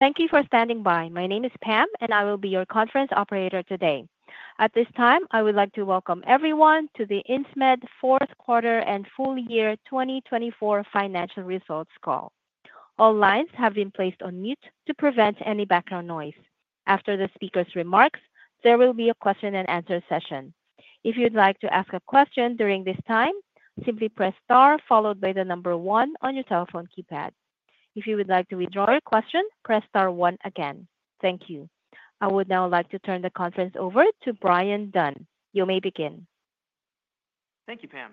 Thank you for standing by. My name is Pam, and I will be your conference operator today. At this time, I would like to welcome everyone to the Insmed Fourth Quarter and Full Year 2024 Financial Results Call. All lines have been placed on mute to prevent any background noise. After the speaker's remarks, there will be a question-and-answer session. If you'd like to ask a question during this time, simply press star followed by the number one on your telephone keypad. If you would like to withdraw your question, press star one again. Thank you. I would now like to turn the conference over to Bryan Dunn. You may begin. Thank you, Pam.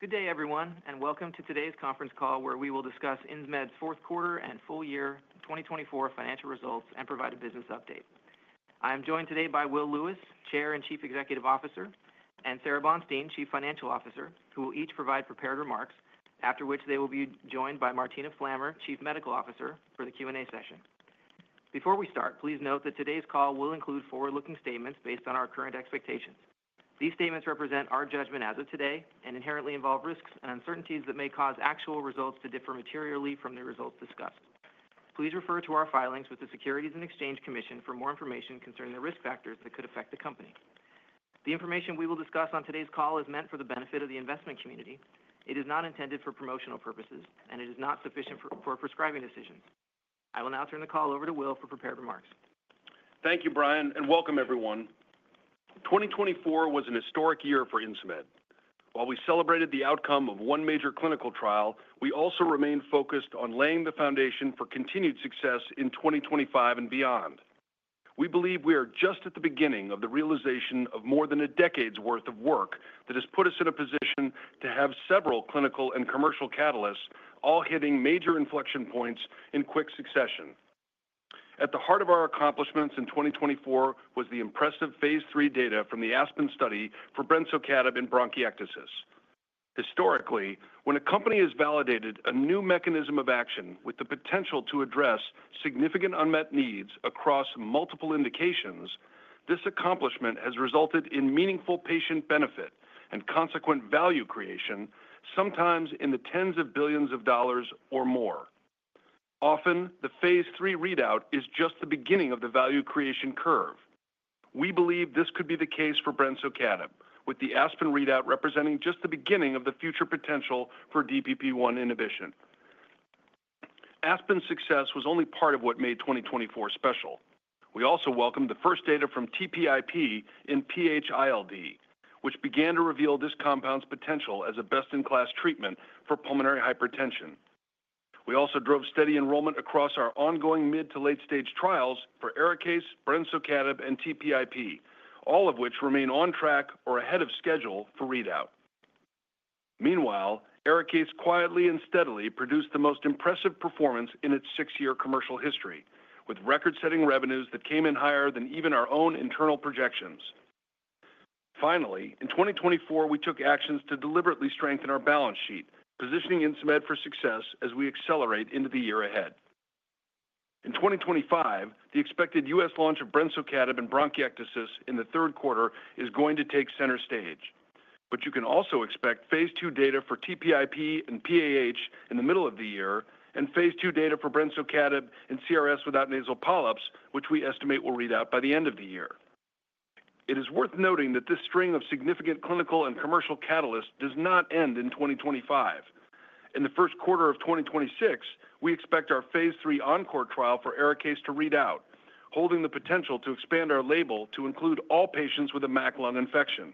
Good day, everyone, and welcome to today's conference call where we will discuss Insmed's Fourth Quarter and Full Year 2024 Financial Results and provide a business update. I am joined today by Will Lewis, Chair and Chief Executive Officer, and Sara Bonstein, Chief Financial Officer, who will each provide prepared remarks, after which they will be joined by Martina Flammer, Chief Medical Officer, for the Q&A session. Before we start, please note that today's call will include forward-looking statements based on our current expectations. These statements represent our judgment as of today and inherently involve risks and uncertainties that may cause actual results to differ materially from the results discussed. Please refer to our filings with the Securities and Exchange Commission for more information concerning the risk factors that could affect the company. The information we will discuss on today's call is meant for the benefit of the investment community. It is not intended for promotional purposes, and it is not sufficient for prescribing decisions. I will now turn the call over to Will for prepared remarks. Thank you, Bryan, and welcome, everyone. 2024 was a historic year for Insmed. While we celebrated the outcome of one major clinical trial, we also remained focused on laying the foundation for continued success in 2025 and beyond. We believe we are just at the beginning of the realization of more than a decade's worth of work that has put us in a position to have several clinical and commercial catalysts all hitting major inflection points in quick succession. At the heart of our accomplishments in 2024 was the impressive Phase 3 data from the ASPEN study for brensocatib in bronchiectasis. Historically, when a company has validated a new mechanism of action with the potential to address significant unmet needs across multiple indications, this accomplishment has resulted in meaningful patient benefit and consequent value creation, sometimes in the tens of billions of dollars or more. Often, the Phase 3 readout is just the beginning of the value creation curve. We believe this could be the case for brensocatib, with the ASPEN readout representing just the beginning of the future potential for DPP1 inhibition. ASPEN's success was only part of what made 2024 special. We also welcomed the first data from TPIP in PH-ILD, which began to reveal this compound's potential as a best-in-class treatment for pulmonary hypertension. We also drove steady enrollment across our ongoing mid-to-late-stage trials for Arikayce, brensocatib, and TPIP, all of which remain on track or ahead of schedule for readout. Meanwhile, Arikayce quietly and steadily produced the most impressive performance in its six-year commercial history, with record-setting revenues that came in higher than even our own internal projections. Finally, in 2024, we took actions to deliberately strengthen our balance sheet, positioning Insmed for success as we accelerate into the year ahead. In 2025, the expected U.S. launch of brensocatib in bronchiectasis in the third quarter is going to take center stage, but you can also expect Phase 2 data for TPIP and PAH in the middle of the year, and Phase 2 data for brensocatib in CRS without nasal polyps, which we estimate will readout by the end of the year. It is worth noting that this string of significant clinical and commercial catalysts does not end in 2025. In the first quarter of 2026, we expect our Phase 3 ENCORE trial for Arikayce to readout, holding the potential to expand our label to include all patients with a MAC lung infection.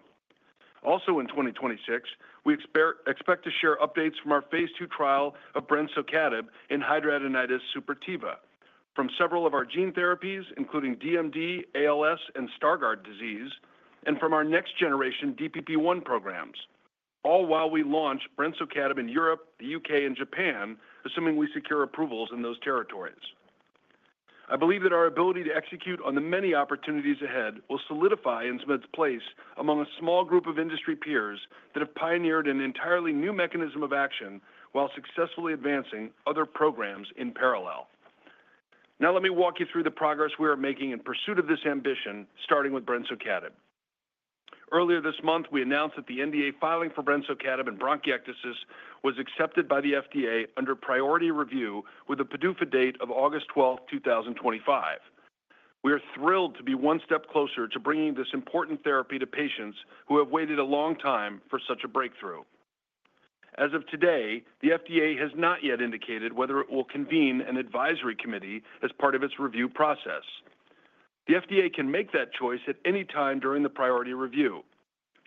Also in 2026, we expect to share updates from our Phase 2 trial of brensocatib in hidradenitis suppurativa from several of our gene therapies, including DMD, ALS, and Stargardt disease, and from our next-generation DPP1 programs, all while we launch brensocatib in Europe, the U.K., and Japan, assuming we secure approvals in those territories. I believe that our ability to execute on the many opportunities ahead will solidify Insmed's place among a small group of industry peers that have pioneered an entirely new mechanism of action while successfully advancing other programs in parallel. Now, let me walk you through the progress we are making in pursuit of this ambition, starting with brensocatib. Earlier this month, we announced that the NDA filing for brensocatib in bronchiectasis was accepted by the FDA under Priority Review with a PDUFA date of August 12, 2025. We are thrilled to be one step closer to bringing this important therapy to patients who have waited a long time for such a breakthrough. As of today, the FDA has not yet indicated whether it will convene an advisory committee as part of its review process. The FDA can make that choice at any time during the Priority Review.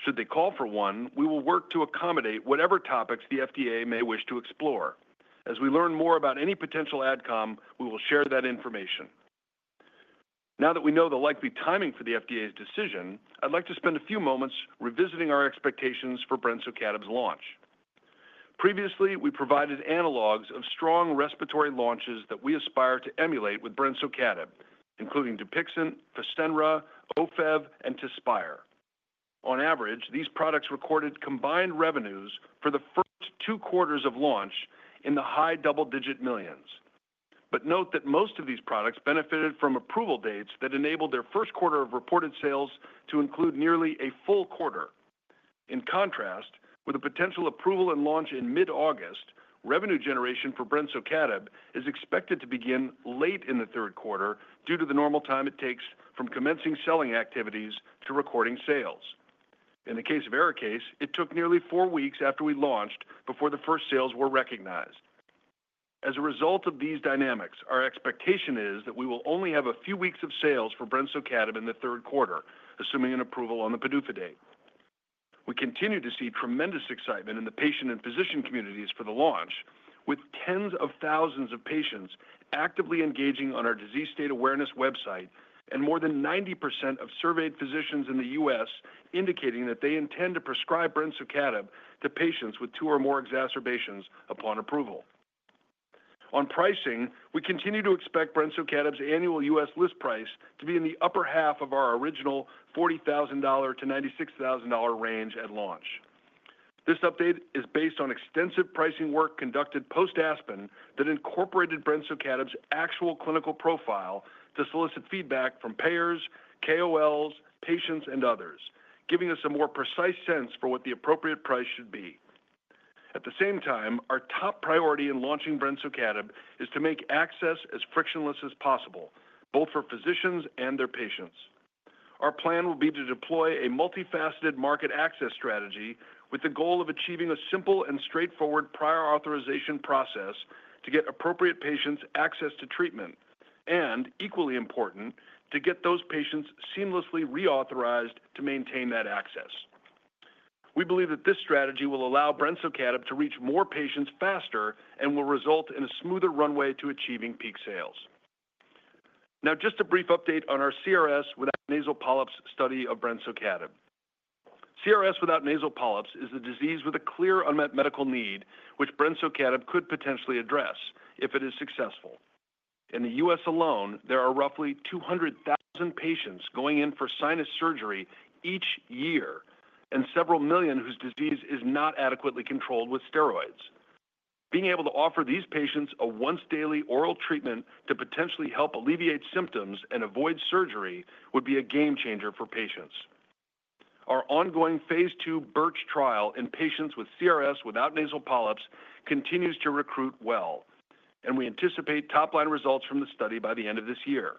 Should they call for one, we will work to accommodate whatever topics the FDA may wish to explore. As we learn more about any potential AdCom, we will share that information. Now that we know the likely timing for the FDA's decision, I'd like to spend a few moments revisiting our expectations for brensocatib's launch. Previously, we provided analogs of strong respiratory launches that we aspire to emulate with brensocatib, including Dupixent, Fasenra, Ofev, and Tezspire. On average, these products recorded combined revenues for the first two quarters of launch in the high double-digit millions. But note that most of these products benefited from approval dates that enabled their first quarter of reported sales to include nearly a full quarter. In contrast, with a potential approval and launch in mid-August, revenue generation for brensocatib is expected to begin late in the third quarter due to the normal time it takes from commencing selling activities to recording sales. In the case of Arikayce, it took nearly four weeks after we launched before the first sales were recognized. As a result of these dynamics, our expectation is that we will only have a few weeks of sales for brensocatib in the third quarter, assuming an approval on the PDUFA date. We continue to see tremendous excitement in the patient and physician communities for the launch, with tens of thousands of patients actively engaging on our Disease State Awareness website and more than 90% of surveyed physicians in the U.S. indicating that they intend to prescribe brensocatib to patients with two or more exacerbations upon approval. On pricing, we continue to expect brensocatib's annual U.S. list price to be in the upper half of our original $40,000-$96,000 range at launch. This update is based on extensive pricing work conducted post-ASPEN that incorporated brensocatib's actual clinical profile to solicit feedback from payers, KOLs, patients, and others, giving us a more precise sense for what the appropriate price should be. At the same time, our top priority in launching brensocatib is to make access as frictionless as possible, both for physicians and their patients. Our plan will be to deploy a multifaceted market access strategy with the goal of achieving a simple and straightforward prior authorization process to get appropriate patients access to treatment and, equally important, to get those patients seamlessly reauthorized to maintain that access. We believe that this strategy will allow brensocatib to reach more patients faster and will result in a smoother runway to achieving peak sales. Now, just a brief update on our CRS without nasal polyps study of brensocatib. CRS without nasal polyps is a disease with a clear unmet medical need which brensocatib could potentially address if it is successful. In the U.S. alone, there are roughly 200,000 patients going in for sinus surgery each year and several million whose disease is not adequately controlled with steroids. Being able to offer these patients a once-daily oral treatment to potentially help alleviate symptoms and avoid surgery would be a game changer for patients. Our ongoing Phase 2 BIRCH trial in patients with CRS without nasal polyps continues to recruit well, and we anticipate top-line results from the study by the end of this year.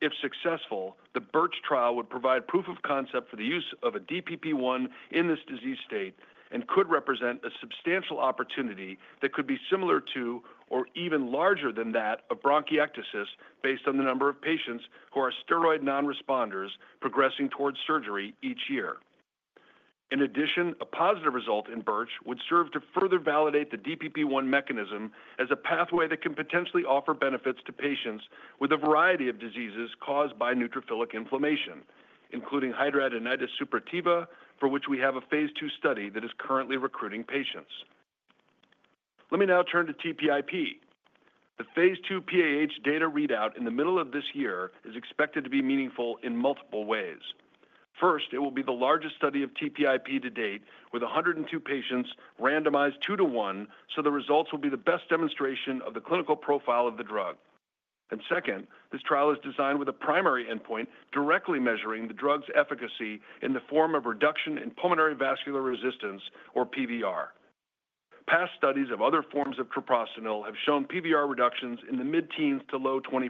If successful, the BIRCH trial would provide proof of concept for the use of a DPP1 in this disease state and could represent a substantial opportunity that could be similar to, or even larger than that, of bronchiectasis based on the number of patients who are steroid non-responders progressing towards surgery each year. In addition, a positive result in BIRCH would serve to further validate the DPP1 mechanism as a pathway that can potentially offer benefits to patients with a variety of diseases caused by neutrophilic inflammation, including hidradenitis suppurativa, for which we have a Phase 2 study that is currently recruiting patients. Let me now turn to TPIP. The Phase 2 PAH data readout in the middle of this year is expected to be meaningful in multiple ways. First, it will be the largest study of TPIP to date with 102 patients randomized two-to-one, so the results will be the best demonstration of the clinical profile of the drug. And second, this trial is designed with a primary endpoint directly measuring the drug's efficacy in the form of reduction in pulmonary vascular resistance, or PVR. Past studies of other forms of treprostinil have shown PVR reductions in the mid-teens to low 20%.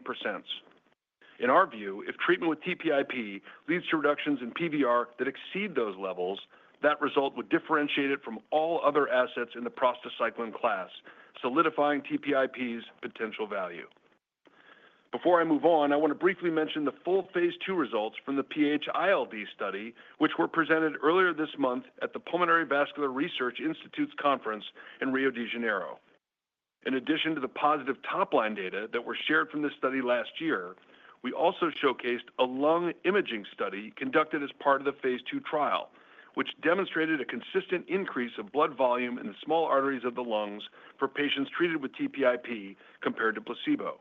In our view, if treatment with TPIP leads to reductions in PVR that exceed those levels, that result would differentiate it from all other assets in the prostacyclin class, solidifying TPIP's potential value. Before I move on, I want to briefly mention the full Phase 2 results from the PH-ILD study, which were presented earlier this month at the Pulmonary Vascular Research Institute's conference in Rio de Janeiro. In addition to the positive top-line data that were shared from this study last year, we also showcased a lung imaging study conducted as part of the Phase 2 trial, which demonstrated a consistent increase of blood volume in the small arteries of the lungs for patients treated with TPIP compared to placebo.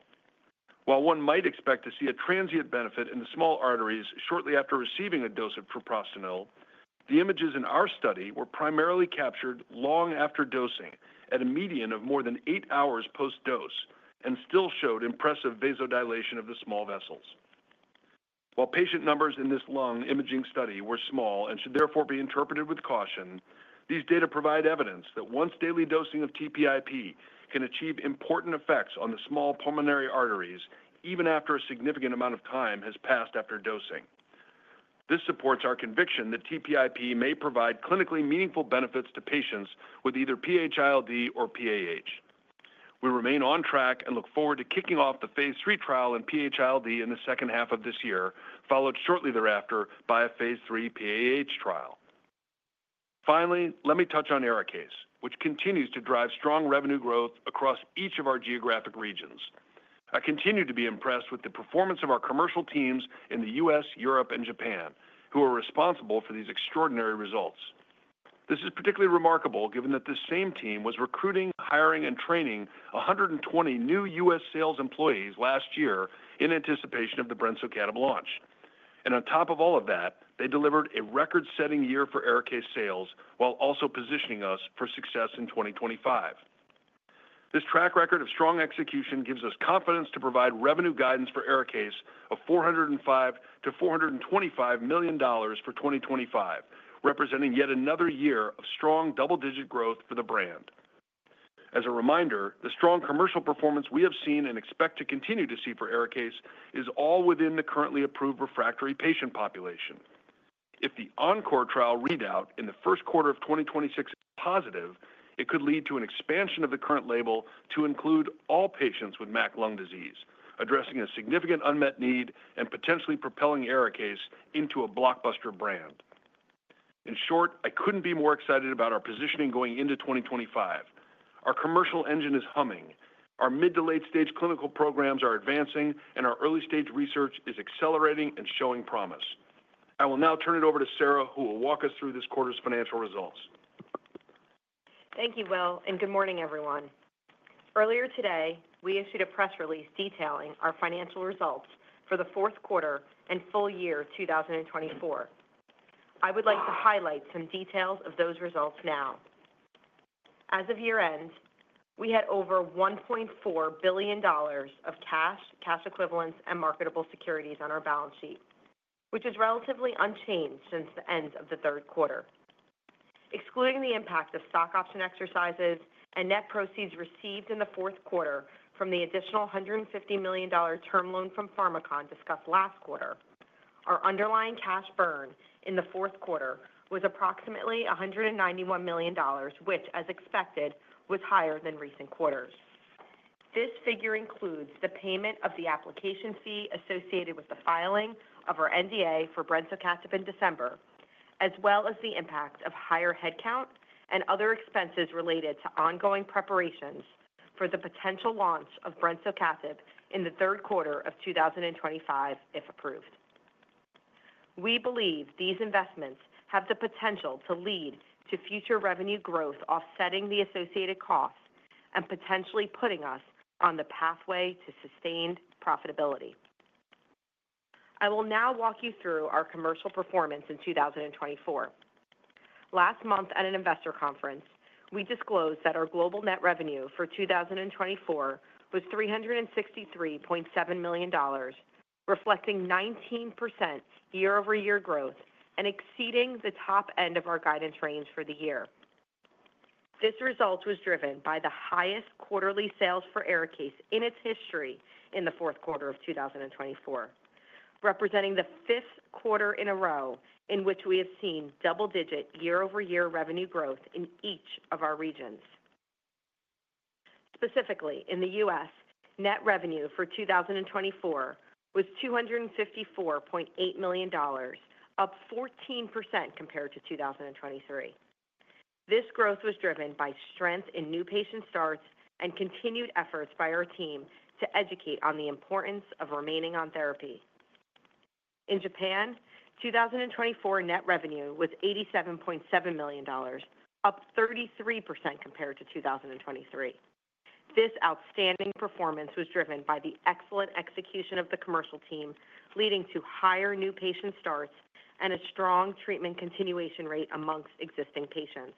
While one might expect to see a transient benefit in the small arteries shortly after receiving a dose of treprostinil, the images in our study were primarily captured long after dosing at a median of more than eight hours post-dose and still showed impressive vasodilation of the small vessels. While patient numbers in this lung imaging study were small and should therefore be interpreted with caution, these data provide evidence that once-daily dosing of TPIP can achieve important effects on the small pulmonary arteries even after a significant amount of time has passed after dosing. This supports our conviction that TPIP may provide clinically meaningful benefits to patients with either PH-ILD or PAH. We remain on track and look forward to kicking off the Phase 3 trial in PH-ILD in the second half of this year, followed shortly thereafter by a Phase 3 PAH trial. Finally, let me touch on Arikayce, which continues to drive strong revenue growth across each of our geographic regions. I continue to be impressed with the performance of our commercial teams in the U.S., Europe, and Japan, who are responsible for these extraordinary results. This is particularly remarkable given that this same team was recruiting, hiring, and training 120 new U.S. sales employees last year in anticipation of the brensocatib launch. And on top of all of that, they delivered a record-setting year for Arikayce sales while also positioning us for success in 2025. This track record of strong execution gives us confidence to provide revenue guidance for Arikayce of $405 million-$425 million for 2025, representing yet another year of strong double-digit growth for the brand. As a reminder, the strong commercial performance we have seen and expect to continue to see for Arikayce is all within the currently approved refractory patient population. If the ENCORE trial readout in the first quarter of 2026 is positive, it could lead to an expansion of the current label to include all patients with MAC lung disease, addressing a significant unmet need and potentially propelling Arikayce into a blockbuster brand. In short, I couldn't be more excited about our positioning going into 2025. Our commercial engine is humming. Our mid-to-late-stage clinical programs are advancing, and our early-stage research is accelerating and showing promise. I will now turn it over to Sara, who will walk us through this quarter's financial results. Thank you, Will, and good morning, everyone. Earlier today, we issued a press release detailing our financial results for the fourth quarter and full year 2024. I would like to highlight some details of those results now. As of year-end, we had over $1.4 billion of cash, cash equivalents, and marketable securities on our balance sheet, which is relatively unchanged since the end of the third quarter. Excluding the impact of stock option exercises and net proceeds received in the fourth quarter from the additional $150 million term loan from Pharmakon discussed last quarter, our underlying cash burn in the fourth quarter was approximately $191 million, which, as expected, was higher than recent quarters. This figure includes the payment of the application fee associated with the filing of our NDA for brensocatib in December, as well as the impact of higher headcount and other expenses related to ongoing preparations for the potential launch of brensocatib in the third quarter of 2025 if approved. We believe these investments have the potential to lead to future revenue growth offsetting the associated costs and potentially putting us on the pathway to sustained profitability. I will now walk you through our commercial performance in 2024. Last month at an investor conference, we disclosed that our global net revenue for 2024 was $363.7 million, reflecting 19% year-over-year growth and exceeding the top end of our guidance range for the year. This result was driven by the highest quarterly sales for Arikayce in its history in the fourth quarter of 2024, representing the fifth quarter in a row in which we have seen double-digit year-over-year revenue growth in each of our regions. Specifically, in the U.S., net revenue for 2024 was $254.8 million, up 14% compared to 2023. This growth was driven by strength in new patient starts and continued efforts by our team to educate on the importance of remaining on therapy. In Japan, 2024 net revenue was $87.7 million, up 33% compared to 2023. This outstanding performance was driven by the excellent execution of the commercial team, leading to higher new patient starts and a strong treatment continuation rate among existing patients.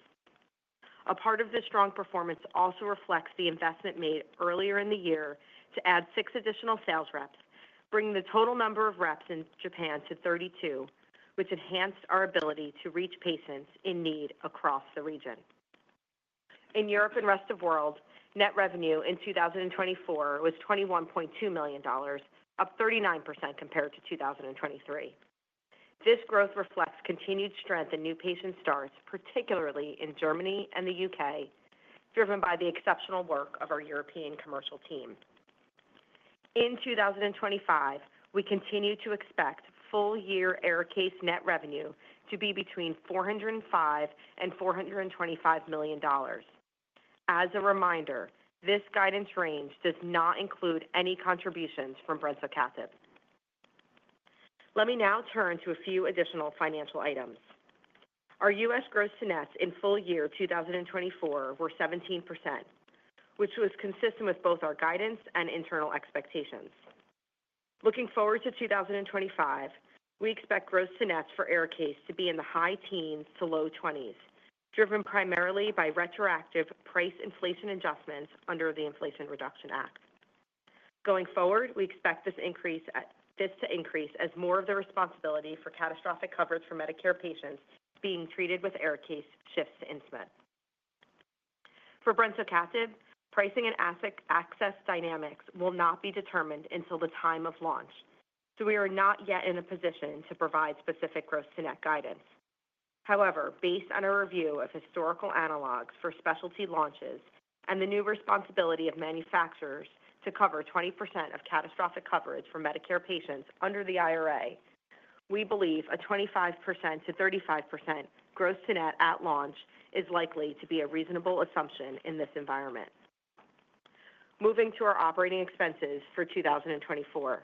A part of this strong performance also reflects the investment made earlier in the year to add six additional sales reps, bringing the total number of reps in Japan to 32, which enhanced our ability to reach patients in need across the region. In Europe and the rest of the world, net revenue in 2024 was $21.2 million, up 39% compared to 2023. This growth reflects continued strength in new patient starts, particularly in Germany and the U.K., driven by the exceptional work of our European commercial team. In 2025, we continue to expect full-year Arikayce net revenue to be between $405 million-$425 million. As a reminder, this guidance range does not include any contributions from brensocatib. Let me now turn to a few additional financial items. Our U.S. gross-to-nets in full year 2024 were 17%, which was consistent with both our guidance and internal expectations. Looking forward to 2025, we expect gross-to-nets for Arikayce to be in the high teens to low 20s, driven primarily by retroactive price inflation adjustments under the Inflation Reduction Act. Going forward, we expect this to increase as more of the responsibility for catastrophic coverage for Medicare patients being treated with Arikayce shifts in to it. For brensocatib, pricing and asset access dynamics will not be determined until the time of launch, so we are not yet in a position to provide specific gross-to-net guidance. However, based on a review of historical analogs for specialty launches and the new responsibility of manufacturers to cover 20% of catastrophic coverage for Medicare patients under the IRA, we believe a 25%-35% gross-to-net at launch is likely to be a reasonable assumption in this environment. Moving to our operating expenses for 2024,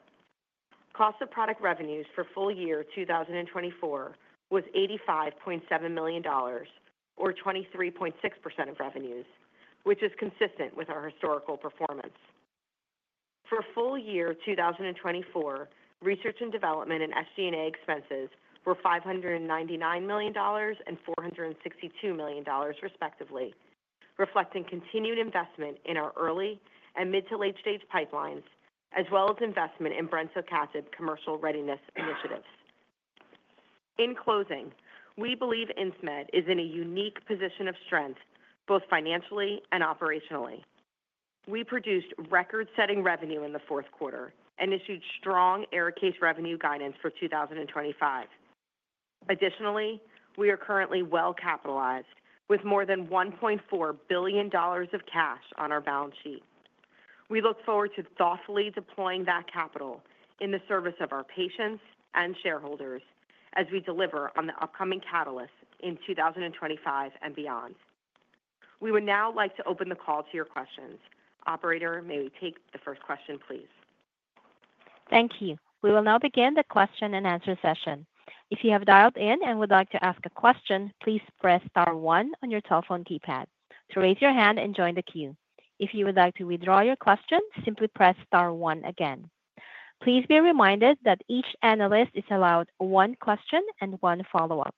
cost of product revenues for full year 2024 was $85.7 million, or 23.6% of revenues, which is consistent with our historical performance. For full year 2024, research and development and SG&A expenses were $599 million and $462 million, respectively, reflecting continued investment in our early and mid-to-late-stage pipelines, as well as investment in brensocatib commercial readiness initiatives. In closing, we believe Insmed is in a unique position of strength both financially and operationally. We produced record-setting revenue in the fourth quarter and issued strong Arikayce revenue guidance for 2025. Additionally, we are currently well-capitalized with more than $1.4 billion of cash on our balance sheet. We look forward to thoughtfully deploying that capital in the service of our patients and shareholders as we deliver on the upcoming catalyst in 2025 and beyond. We would now like to open the call to your questions. Operator, may we take the first question, please? Thank you. We will now begin the question and answer session. If you have dialed in and would like to ask a question, please press star one on your telephone keypad to raise your hand and join the queue. If you would like to withdraw your question, simply press star one again. Please be reminded that each analyst is allowed one question and one follow-up.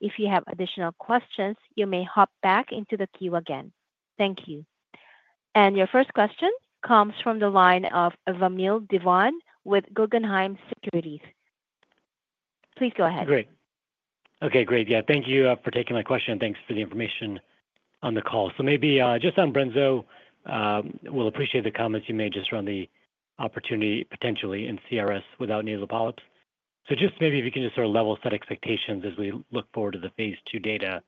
If you have additional questions, you may hop back into the queue again. Thank you. And your first question comes from the line of Vamil Divan with Guggenheim Securities. Please go ahead. Great. Okay, great. Yeah, thank you for taking my question. Thanks for the information on the call. So maybe just on brensocatib, we'll appreciate the comments you made just around the opportunity potentially in CRS without nasal polyps. So just maybe if you can just sort of level set expectations as we look forward to the Phase 2 data,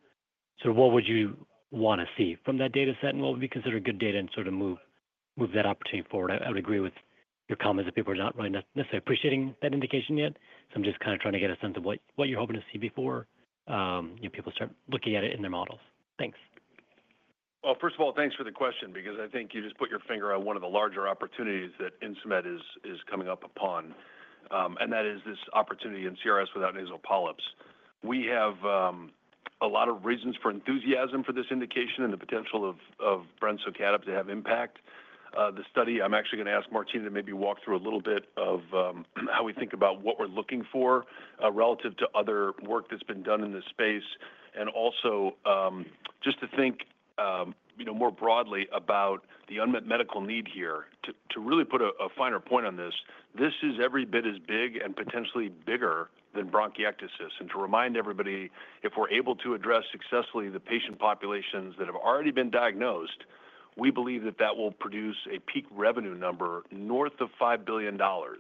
so what would you want to see from that data set and what would be considered good data and sort of move that opportunity forward? I would agree with your comments that people are not really necessarily appreciating that indication yet. So I'm just kind of trying to get a sense of what you're hoping to see before people start looking at it in their models. Thanks. Well, first of all, thanks for the question because I think you just put your finger on one of the larger opportunities that Insmed is coming up upon, and that is this opportunity in CRS without nasal polyps. We have a lot of reasons for enthusiasm for this indication and the potential of brensocatib to have impact. The study, I'm actually going to ask Martina to maybe walk through a little bit of how we think about what we're looking for relative to other work that's been done in this space and also just to think more broadly about the unmet medical need here. To really put a finer point on this, this is every bit as big and potentially bigger than bronchiectasis. To remind everybody, if we're able to address successfully the patient populations that have already been diagnosed, we believe that that will produce a peak revenue number north of $5 billion. To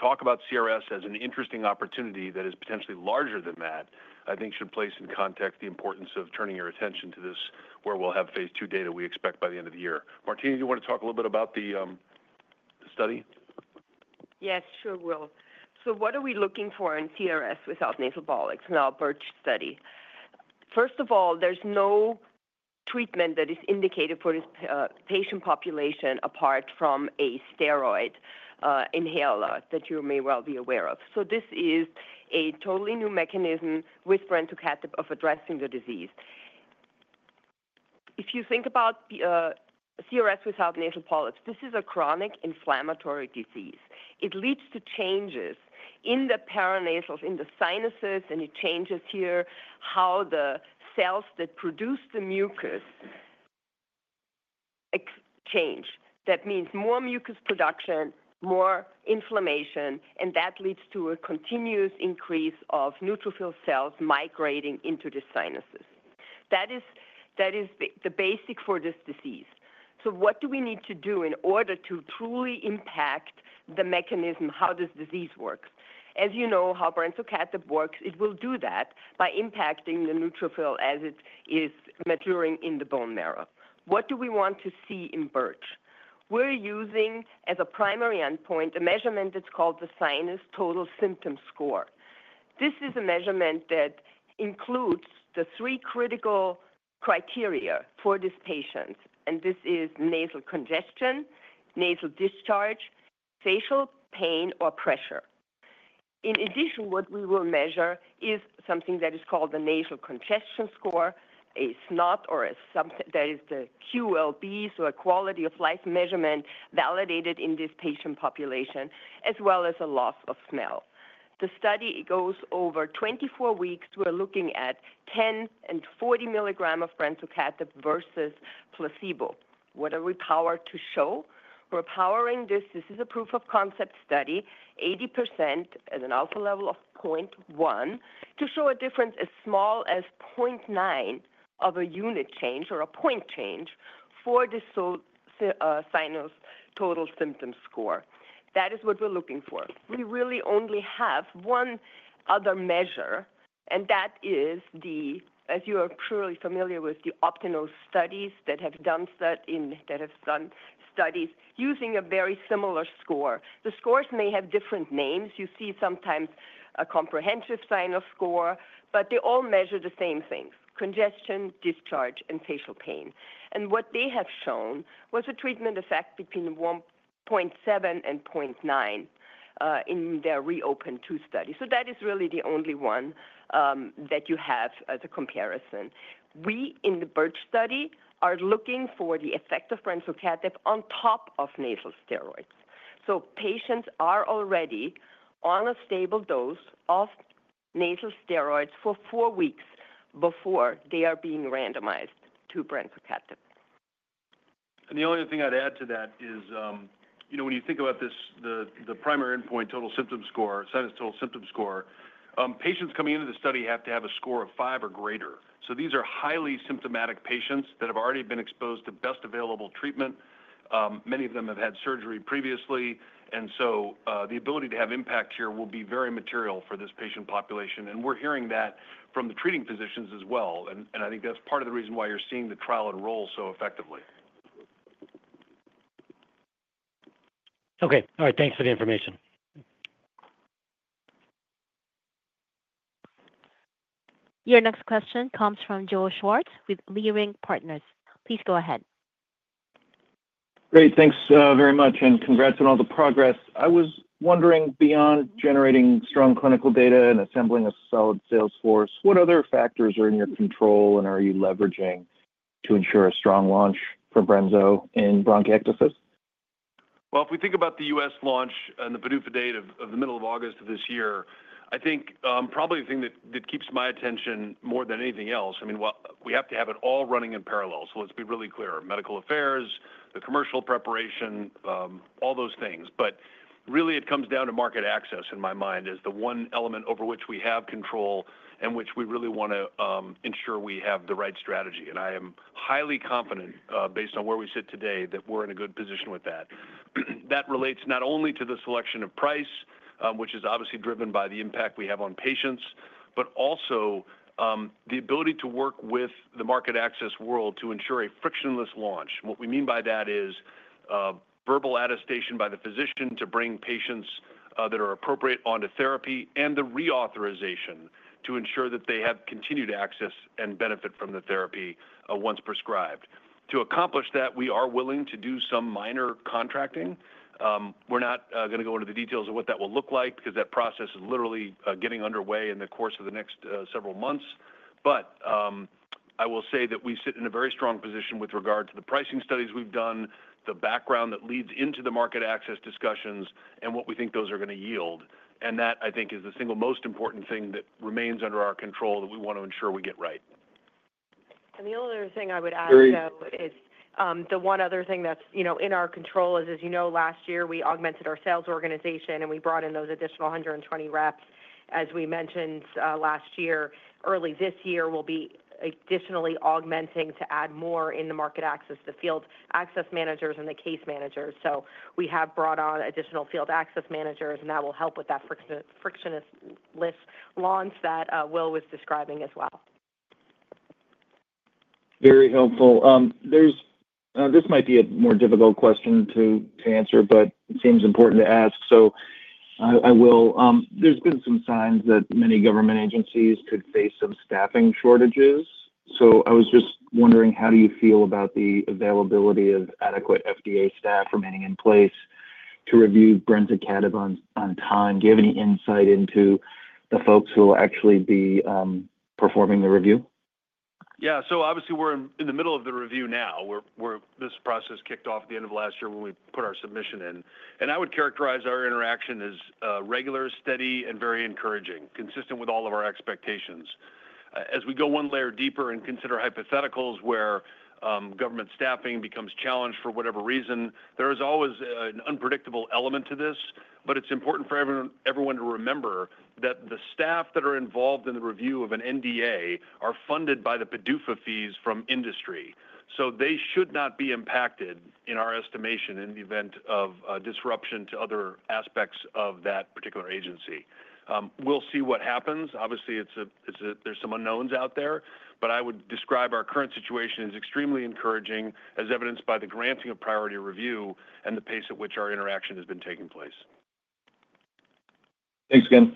talk about CRS as an interesting opportunity that is potentially larger than that, I think should place in context the importance of turning your attention to this where we'll have Phase 2 data we expect by the end of the year. Martina, do you want to talk a little bit about the study? Yes, sure, Will. What are we looking for in CRS without nasal polyps? Now, BIRCH study. First of all, there's no treatment that is indicated for this patient population apart from a steroid inhaler that you may well be aware of. This is a totally new mechanism with brensocatib of addressing the disease. If you think about CRS without nasal polyps, this is a chronic inflammatory disease. It leads to changes in the paranasal sinuses, and it changes how the cells that produce the mucus change. That means more mucus production, more inflammation, and that leads to a continuous increase of neutrophil cells migrating into the sinuses. That is the basis for this disease. So what do we need to do in order to truly impact the mechanism? How does disease work? As you know how brensocatib works, it will do that by impacting the neutrophil as it is maturing in the bone marrow. What do we want to see in BIRCH? We're using as a primary endpoint a measurement that's called the Sinus Total Symptom Score. This is a measurement that includes the three critical criteria for this patient, and this is nasal congestion, nasal discharge, facial pain, or pressure. In addition, what we will measure is something that is called the Nasal Congestion Score, a SNOT, or something that is the QOL-B, so a quality of life measurement validated in this patient population, as well as a loss of smell. The study goes over 24 weeks. We're looking at 10 and 40 milligrams of brensocatib versus placebo. What are we powered to show? We're powering this. This is a proof of concept study, 80% as an alpha level of 0.1 to show a difference as small as 0.9 of a unit change or a point change for the Sinus Total Symptom Score. That is what we're looking for. We really only have one other measure, and that is the, as you are surely familiar with, the Optinose studies that have done studies using a very similar score. The scores may have different names. You see sometimes a comprehensive sinus score, but they all measure the same things: congestion, discharge, and facial pain, and what they have shown was a treatment effect between 1.7 and 0.9 in their open-label two studies. So that is really the only one that you have as a comparison. We in the BIRCH study are looking for the effect of brensocatib on top of nasal steroids, so patients are already on a stable dose of nasal steroids for four weeks before they are being randomized to brensocatib. And the only thing I'd add to that is, you know, when you think about this, the primary endpoint total symptom score, Sinus Total Symptom Score, patients coming into the study have to have a score of five or greater. So these are highly symptomatic patients that have already been exposed to best available treatment. Many of them have had surgery previously, and so the ability to have impact here will be very material for this patient population. And we're hearing that from the treating physicians as well. And I think that's part of the reason why you're seeing the trial enroll so effectively. Okay. All right. Thanks for the information. Your next question comes from Joe Schwartz with Leerink Partners. Please go ahead. Great. Thanks very much and congrats on all the progress. I was wondering, beyond generating strong clinical data and assembling a solid sales force, what other factors are in your control and are you leveraging to ensure a strong launch for brensocatib in bronchiectasis? If we think about the U.S. launch and the PDUFA date of the middle of August of this year, I think probably the thing that keeps my attention more than anything else. I mean, we have to have it all running in parallel. So let's be really clear: medical affairs, the commercial preparation, all those things. But really, it comes down to market access in my mind as the one element over which we have control and which we really want to ensure we have the right strategy. I am highly confident, based on where we sit today, that we're in a good position with that. That relates not only to the selection of price, which is obviously driven by the impact we have on patients, but also the ability to work with the market access world to ensure a frictionless launch. What we mean by that is verbal attestation by the physician to bring patients that are appropriate onto therapy and the reauthorization to ensure that they have continued access and benefit from the therapy once prescribed. To accomplish that, we are willing to do some minor contracting. We're not going to go into the details of what that will look like because that process is literally getting underway in the course of the next several months. But I will say that we sit in a very strong position with regard to the pricing studies we've done, the background that leads into the market access discussions, and what we think those are going to yield. And that, I think, is the single most important thing that remains under our control that we want to ensure we get right. The only other thing I would add, though, is the one other thing that's, you know, in our control is, as you know, last year we augmented our sales organization and we brought in those additional 120 reps. As we mentioned last year, early this year, we'll be additionally augmenting to add more in the market access, the field access managers and the case managers. So we have brought on additional field access managers, and that will help with that frictionless launch that Will was describing as well. Very helpful. This might be a more difficult question to answer, but it seems important to ask. So I will. There's been some signs that many government agencies could face some staffing shortages. I was just wondering, how do you feel about the availability of adequate FDA staff remaining in place to review brensocatib on time? Do you have any insight into the folks who will actually be performing the review? Yeah. So obviously, we're in the middle of the review now. This process kicked off at the end of last year when we put our submission in. And I would characterize our interaction as regular, steady, and very encouraging, consistent with all of our expectations. As we go one layer deeper and consider hypotheticals where government staffing becomes challenged for whatever reason, there is always an unpredictable element to this. But it's important for everyone to remember that the staff that are involved in the review of an NDA are funded by the PDUFA fees from industry. So they should not be impacted in our estimation in the event of disruption to other aspects of that particular agency. We'll see what happens. Obviously, there's some unknowns out there, but I would describe our current situation as extremely encouraging, as evidenced by the granting of PriorityReview and the pace at which our interaction has been taking place. Thanks again.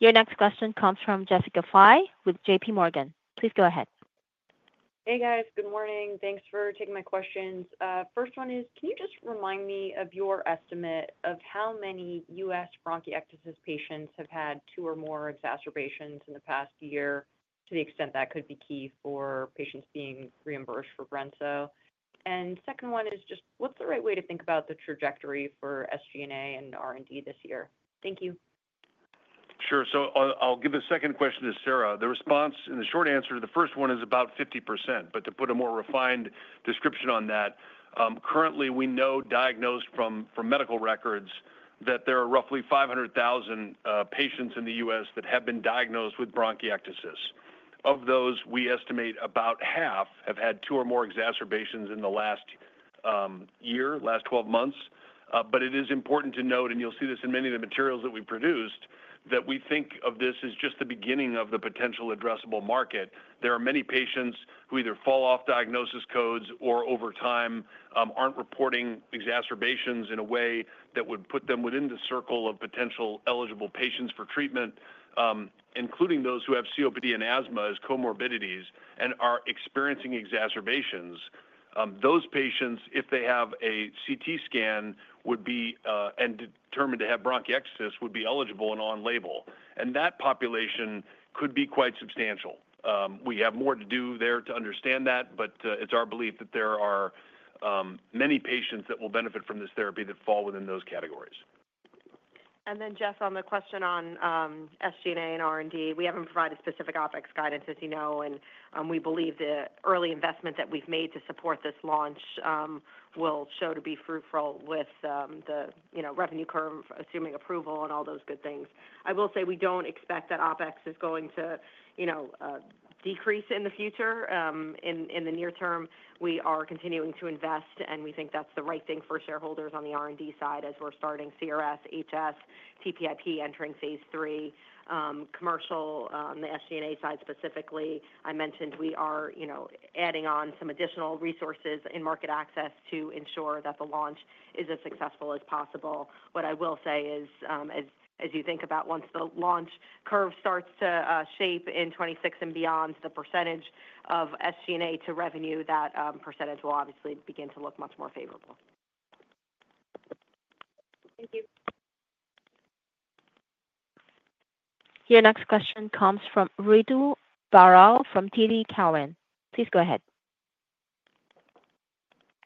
Your next question comes from Jessica Fye with J.P. Morgan. Please go ahead. Hey, guys. Good morning. Thanks for taking my questions. First one is, can you just remind me of your estimate of how many U.S. bronchiectasis patients have had two or more exacerbations in the past year to the extent that could be key for patients being reimbursed for brensocatib? And second one is just, what's the right way to think about the trajectory for SG&A and R&D this year? Thank you. Sure. So I'll give the second question to Sara. The response, and the short answer to the first one is about 50%. But to put a more refined description on that, currently, we know diagnosed from medical records that there are roughly 500,000 patients in the U.S. that have been diagnosed with bronchiectasis. Of those, we estimate about half have had two or more exacerbations in the last year, last 12 months. But it is important to note, and you'll see this in many of the materials that we produced, that we think of this as just the beginning of the potential addressable market. There are many patients who either fall off diagnosis codes or over time aren't reporting exacerbations in a way that would put them within the circle of potential eligible patients for treatment, including those who have COPD and asthma as comorbidities and are experiencing exacerbations. Those patients, if they have a CT scan and determine to have bronchiectasis, would be eligible and on label. And that population could be quite substantial. We have more to do there to understand that, but it's our belief that there are many patients that will benefit from this therapy that fall within those categories. And then, Jess, on the question on SG&A and R&D, we haven't provided specific ops guidance, as you know, and we believe the early investment that we've made to support this launch will show to be fruitful with the revenue curve, assuming approval and all those good things. I will say we don't expect that ops is going to decrease in the future. In the near term, we are continuing to invest, and we think that's the right thing for shareholders on the R&D side as we're starting CRS, HS, TPIP entering Phase 3, commercial, the SG&A side specifically. I mentioned we are adding on some additional resources in market access to ensure that the launch is as successful as possible. What I will say is, as you think about once the launch curve starts to shape in 2026 and beyond, the percentage of SG&A to revenue, that percentage will obviously begin to look much more favorable. Thank you. Your next question comes from Ritu Baral from TD Cowen. Please go ahead.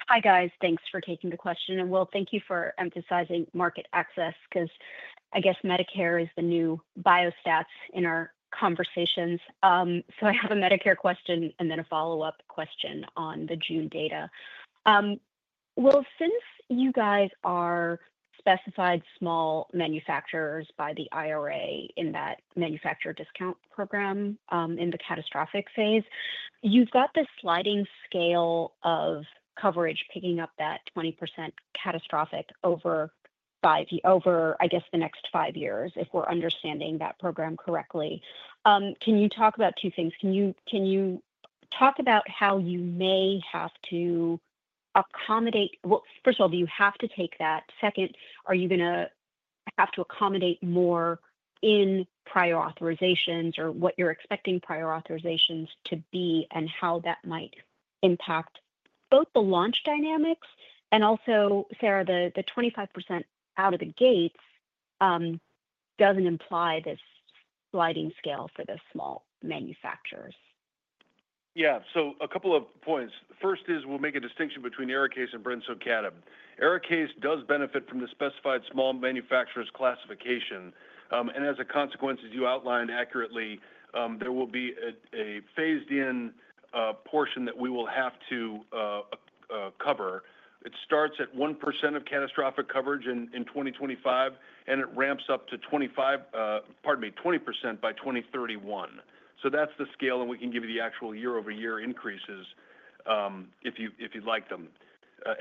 Hi, guys. Thanks for taking the question. And Will, thank you for emphasizing market access because I guess Medicare is the new biosimilars in our conversations. So I have a Medicare question and then a follow-up question on the June data. Will, since you guys are specified small manufacturers by the IRA in that manufacturer discount program in the catastrophic phase, you've got this sliding scale of coverage picking up that 20% catastrophic over, I guess, the next five years if we're understanding that program correctly. Can you talk about two things? Can you talk about how you may have to accommodate? Well, first of all, do you have to take that? Second, are you going to have to accommodate more in prior authorizations or what you're expecting prior authorizations to be and how that might impact both the launch dynamics? And also, Sara, the 25% out of the gates doesn't imply this sliding scale for the small manufacturers. Yeah. So a couple of points. First is we'll make a distinction between Arikayce and brensocatib. Arikayce does benefit from the specified small manufacturers classification. And as a consequence, as you outlined accurately, there will be a phased-in portion that we will have to cover. It starts at 1% of catastrophic coverage in 2025, and it ramps up to 25, pardon me, 20% by 2031. So that's the scale, and we can give you the actual year-over-year increases if you'd like them.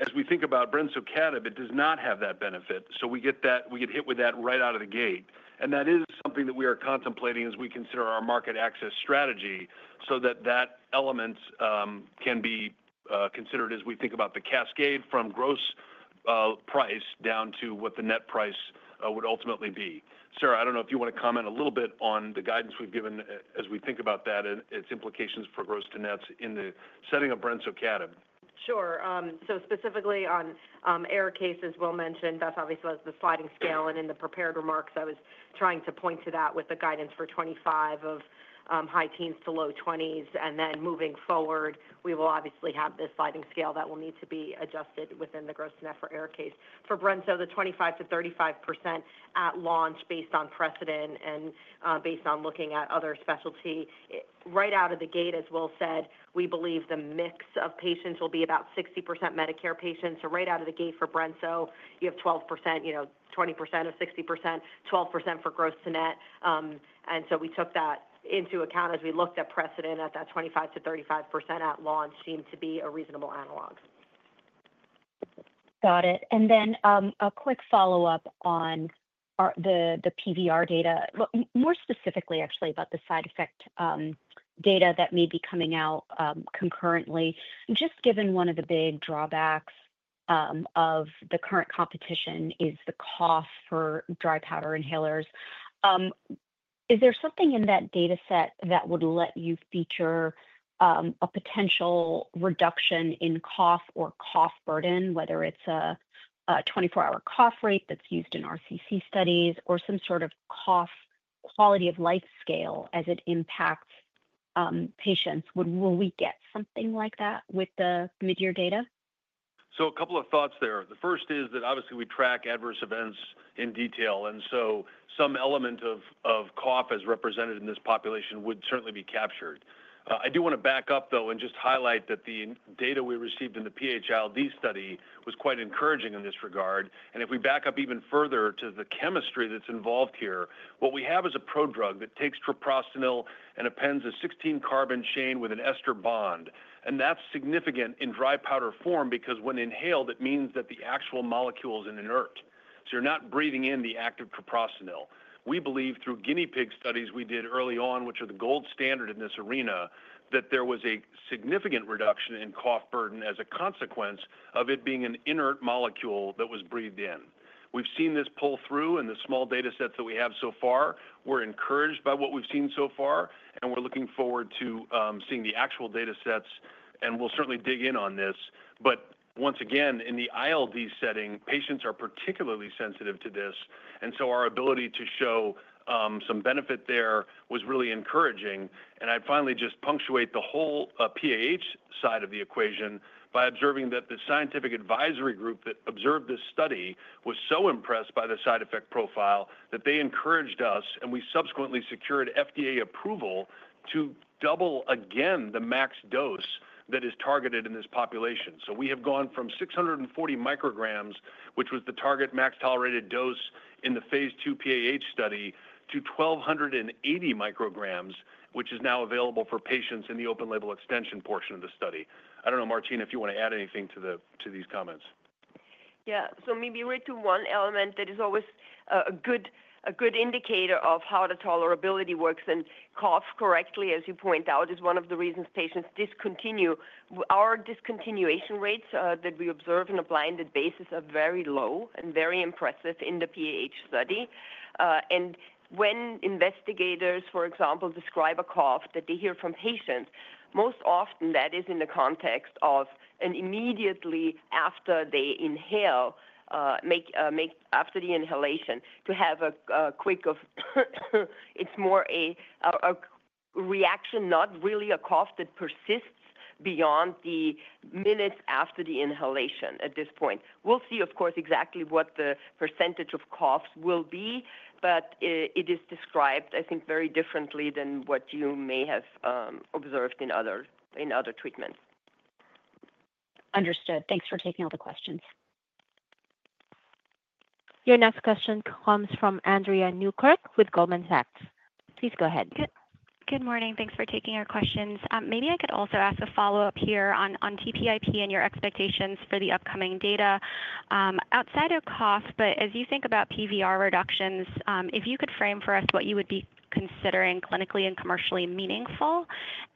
As we think about brensocatib, it does not have that benefit. So we get hit with that right out of the gate. And that is something that we are contemplating as we consider our market access strategy so that that element can be considered as we think about the cascade from gross price down to what the net price would ultimately be. Sara, I don't know if you want to comment a little bit on the guidance we've given as we think about that and its implications for gross-to-net in the setting of brensocatib. Sure. So specifically on Arikayce, as Will mentioned, that's obviously the sliding scale. And in the prepared remarks, I was trying to point to that with the guidance for '25 of high teens to low 20s. And then moving forward, we will obviously have this sliding scale that will need to be adjusted within the gross-to-net for Arikayce. For brensocatib, the 25%-35% at launch based on precedent and based on looking at other specialty. Right out of the gate, as Will said, we believe the mix of patients will be about 60% Medicare patients. Right out of the gate for brensocatib, you have 12%, 20% of 60%, 12% for gross-to-net. And so we took that into account as we looked at precedent at that 25%-35% at launch seemed to be a reasonable analog. Got it. And then a quick follow-up on the PVR data, more specifically actually about the side effect data that may be coming out concurrently. Just given one of the big drawbacks of the current competition is the cost for dry powder inhalers. Is there something in that data set that would let you feature a potential reduction in cost or cost burden, whether it's a 24-hour cough rate that's used in RCC studies or some sort of cost quality of life scale as it impacts patients? Would we get something like that with the mid-year data? So a couple of thoughts there. The first is that obviously we track adverse events in detail. And so some element of cough as represented in this population would certainly be captured. I do want to back up, though, and just highlight that the data we received in the PH-ILD study was quite encouraging in this regard. And if we back up even further to the chemistry that's involved here, what we have is a prodrug that takes treprostinil and appends a 16-carbon chain with an ester bond. And that's significant in dry powder form because when inhaled, it means that the actual molecule is inert. So you're not breathing in the active treprostinil. We believe through guinea pig studies we did early on, which are the gold standard in this arena, that there was a significant reduction in cough burden as a consequence of it being an inert molecule that was breathed in. We've seen this pull through in the small data sets that we have so far. We're encouraged by what we've seen so far, and we're looking forward to seeing the actual data sets, and we'll certainly dig in on this, but once again, in the ILD setting, patients are particularly sensitive to this, and so our ability to show some benefit there was really encouraging, and I'd finally just punctuate the whole PAH side of the equation by observing that the scientific advisory group that observed this study was so impressed by the side effect profile that they encouraged us, and we subsequently secured FDA approval to double again the max dose that is targeted in this population. So we have gone from 640 micrograms, which was the target max tolerated dose in the Phase 2 PAH study, to 1,280 micrograms, which is now available for patients in the open label extension portion of the study. I don't know, Martina, if you want to add anything to these comments. Yeah. So maybe we're touching on one element that is always a good indicator of how the tolerability works, and cough, correctly as you point out, is one of the reasons patients discontinue. Our discontinuation rates that we observe on a blinded basis are very low and very impressive in the PAH study. When investigators, for example, describe a cough that they hear from patients, most often that is in the context of immediately after they inhale, after the inhalation, to have a quick cough. It's more a reaction, not really a cough that persists beyond the minutes after the inhalation at this point. We'll see, of course, exactly what the percentage of coughs will be, but it is described, I think, very differently than what you may have observed in other treatments. Understood. Thanks for taking all the questions. Your next question comes from Andrea Newkirk with Goldman Sachs. Please go ahead. Good morning. Thanks for taking our questions. Maybe I could also ask a follow-up here on TPIP and your expectations for the upcoming data. Outside of cough, but as you think about PVR reductions, if you could frame for us what you would be considering clinically and commercially meaningful.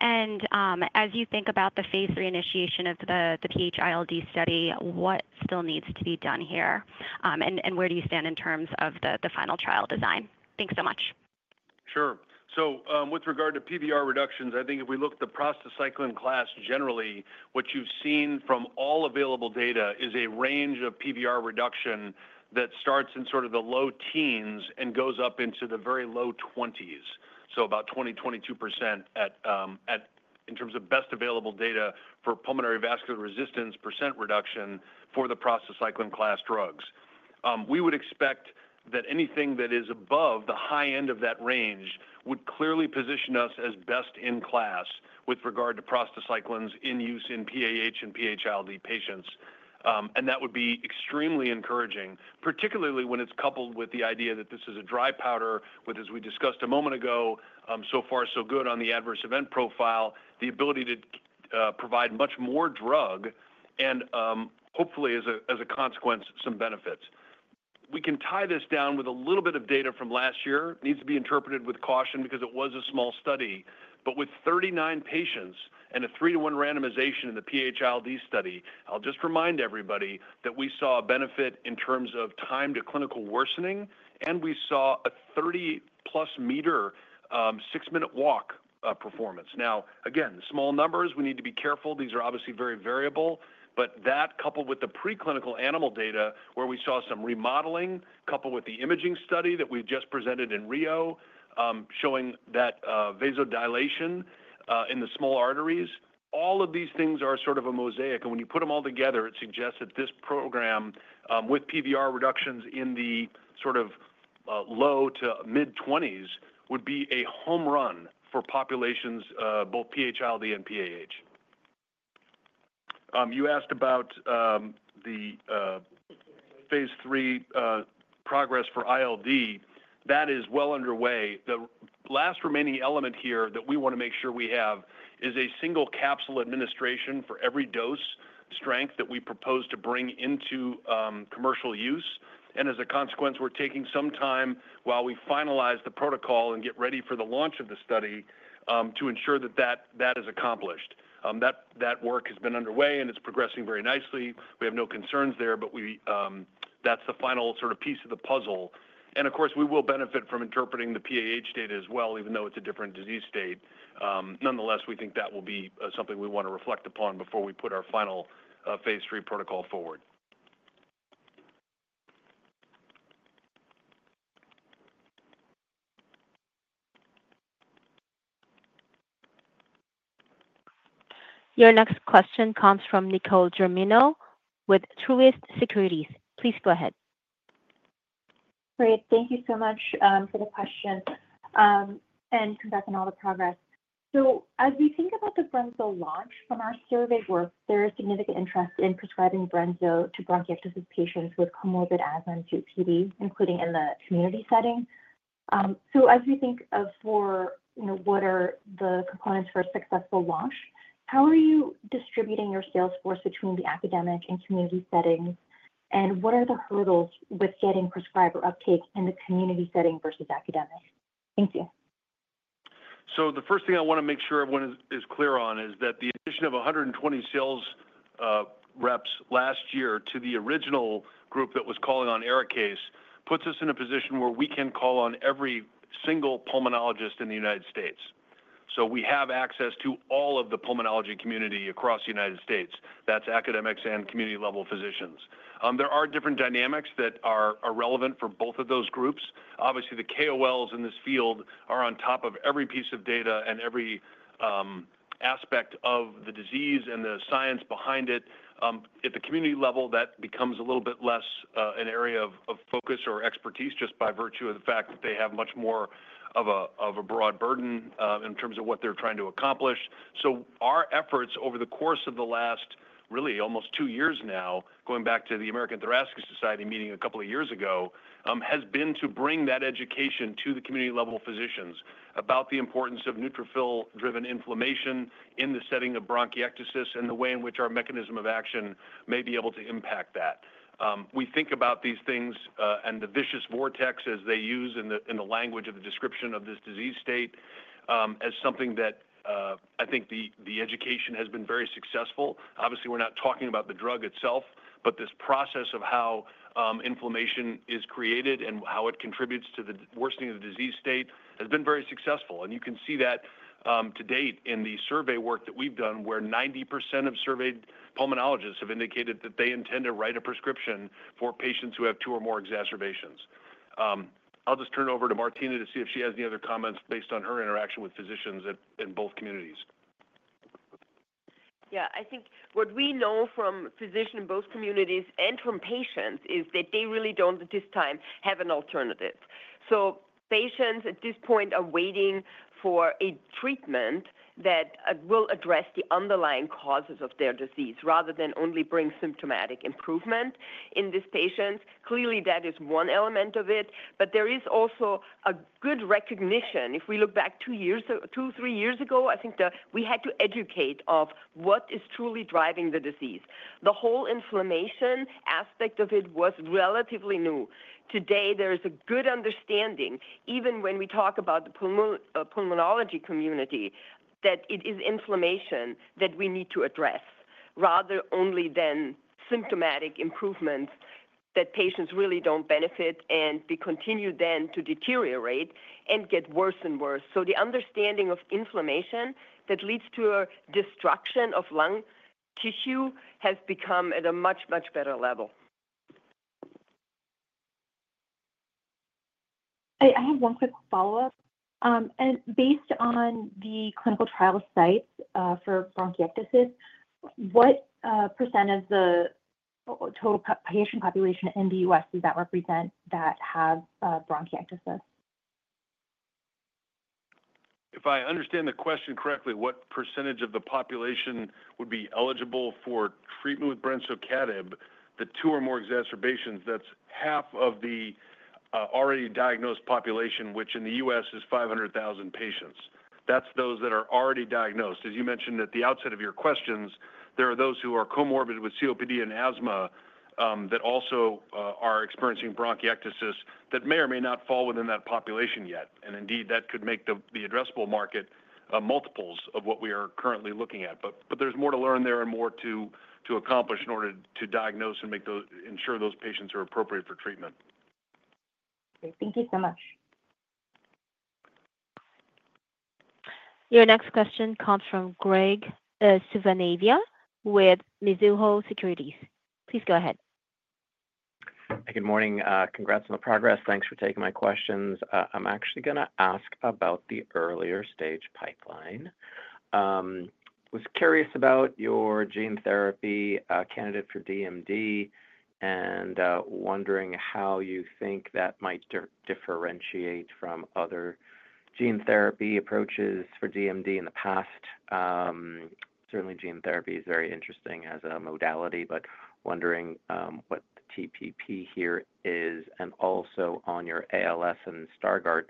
As you think about the Phase 3 initiation of the PH-ILD study, what still needs to be done here? And where do you stand in terms of the final trial design? Thanks so much. Sure. So with regard to PVR reductions, I think if we look at the prostacyclin class generally, what you've seen from all available data is a range of PVR reduction that starts in sort of the low teens and goes up into the very low 20s. So about 20%-22% in terms of best available data for pulmonary vascular resistance percent reduction for the prostacyclin class drugs. We would expect that anything that is above the high end of that range would clearly position us as best in class with regard to prostacyclins in use in PAH and PH-ILD patients. That would be extremely encouraging, particularly when it's coupled with the idea that this is a dry powder with, as we discussed a moment ago, so far so good on the adverse event profile, the ability to provide much more drug and hopefully, as a consequence, some benefits. We can tie this down with a little bit of data from last year. It needs to be interpreted with caution because it was a small study. But with 39 patients and a three-to-one randomization in the PH-ILD study, I'll just remind everybody that we saw a benefit in terms of time to clinical worsening, and we saw a 30-plus meter six-minute walk performance. Now, again, small numbers, we need to be careful. These are obviously very variable. But that, coupled with the preclinical animal data where we saw some remodeling, coupled with the imaging study that we've just presented in Rio, showing that vasodilation in the small arteries, all of these things are sort of a mosaic. And when you put them all together, it suggests that this program with PVR reductions in the sort of low to mid-20s would be a home run for populations, both PH-ILD and PAH. You asked about the Phase 3 progress for ILD. That is well underway. The last remaining element here that we want to make sure we have is a single capsule administration for every dose strength that we propose to bring into commercial use. And as a consequence, we're taking some time while we finalize the protocol and get ready for the launch of the study to ensure that that is accomplished. That work has been underway, and it's progressing very nicely. We have no concerns there, but that's the final sort of piece of the puzzle. And of course, we will benefit from interpreting the PAH data as well, even though it's a different disease state. Nonetheless, we think that will be something we want to reflect upon before we put our final Phase 3 protocol forward. Your next question comes from Nicole Germino with Truist Securities. Please go ahead. Great. Thank you so much for the question. And congrats on all the progress. So as we think about the brensocatib launch from our survey work, there is significant interest in prescribing brensocatib to bronchiectasis patients with comorbid asthma and COPD, including in the community setting. As we think of for what are the components for a successful launch, how are you distributing your sales force between the academic and community settings? And what are the hurdles with getting prescriber uptake in the community setting versus academic? Thank you. The first thing I want to make sure everyone is clear on is that the addition of 120 sales reps last year to the original group that was calling on Arikayce puts us in a position where we can call on every single pulmonologist in the United States. We have access to all of the pulmonology community across the United States. That's academics and community-level physicians. There are different dynamics that are relevant for both of those groups. Obviously, the KOLs in this field are on top of every piece of data and every aspect of the disease and the science behind it. At the community level, that becomes a little bit less an area of focus or expertise just by virtue of the fact that they have much more of a broad burden in terms of what they're trying to accomplish. So our efforts over the course of the last really almost two years now, going back to the American Thoracic Society meeting a couple of years ago, has been to bring that education to the community-level physicians about the importance of neutrophil-driven inflammation in the setting of bronchiectasis and the way in which our mechanism of action may be able to impact that. We think about these things and the vicious vortex, as they use in the language of the description of this disease state, as something that I think the education has been very successful. Obviously, we're not talking about the drug itself, but this process of how inflammation is created and how it contributes to the worsening of the disease state has been very successful. And you can see that to date in the survey work that we've done, where 90% of surveyed pulmonologists have indicated that they intend to write a prescription for patients who have two or more exacerbations. I'll just turn it over to Martina to see if she has any other comments based on her interaction with physicians in both communities. Yeah. I think what we know from physicians in both communities and from patients is that they really don't at this time have an alternative. So patients at this point are waiting for a treatment that will address the underlying causes of their disease rather than only bring symptomatic improvement in these patients. Clearly, that is one element of it. But there is also a good recognition. If we look back two or three years ago, I think we had to educate on what is truly driving the disease. The whole inflammation aspect of it was relatively new. Today, there is a good understanding, even when we talk about the pulmonology community, that it is inflammation that we need to address rather only than symptomatic improvements that patients really don't benefit and continue then to deteriorate and get worse and worse. So the understanding of inflammation that leads to destruction of lung tissue has become at a much, much better level. I have one quick follow-up, and based on the clinical trial sites for bronchiectasis, what percentage of the total patient population in the U.S. does that represent that have bronchiectasis? If I understand the question correctly, what percentage of the population would be eligible for treatment with brensocatib, the two or more exacerbations, that's half of the already diagnosed population, which in the U.S. is 500,000 patients. That's those that are already diagnosed. As you mentioned at the outset of your questions, there are those who are comorbid with COPD and asthma that also are experiencing bronchiectasis that may or may not fall within that population yet. And indeed, that could make the addressable market multiples of what we are currently looking at. But there's more to learn there and more to accomplish in order to diagnose and ensure those patients are appropriate for treatment. Thank you so much. Your next question comes from Graig Suvannavejh with Mizuho Securities. Please go ahead. Hey, good morning. Congrats on the progress. Thanks for taking my questions. I'm actually going to ask about the earlier stage pipeline. I was curious about your gene therapy candidate for DMD and wondering how you think that might differentiate from other gene therapy approaches for DMD in the past. Certainly, gene therapy is very interesting as a modality, but wondering what the TPP here is and also on your ALS and Stargardt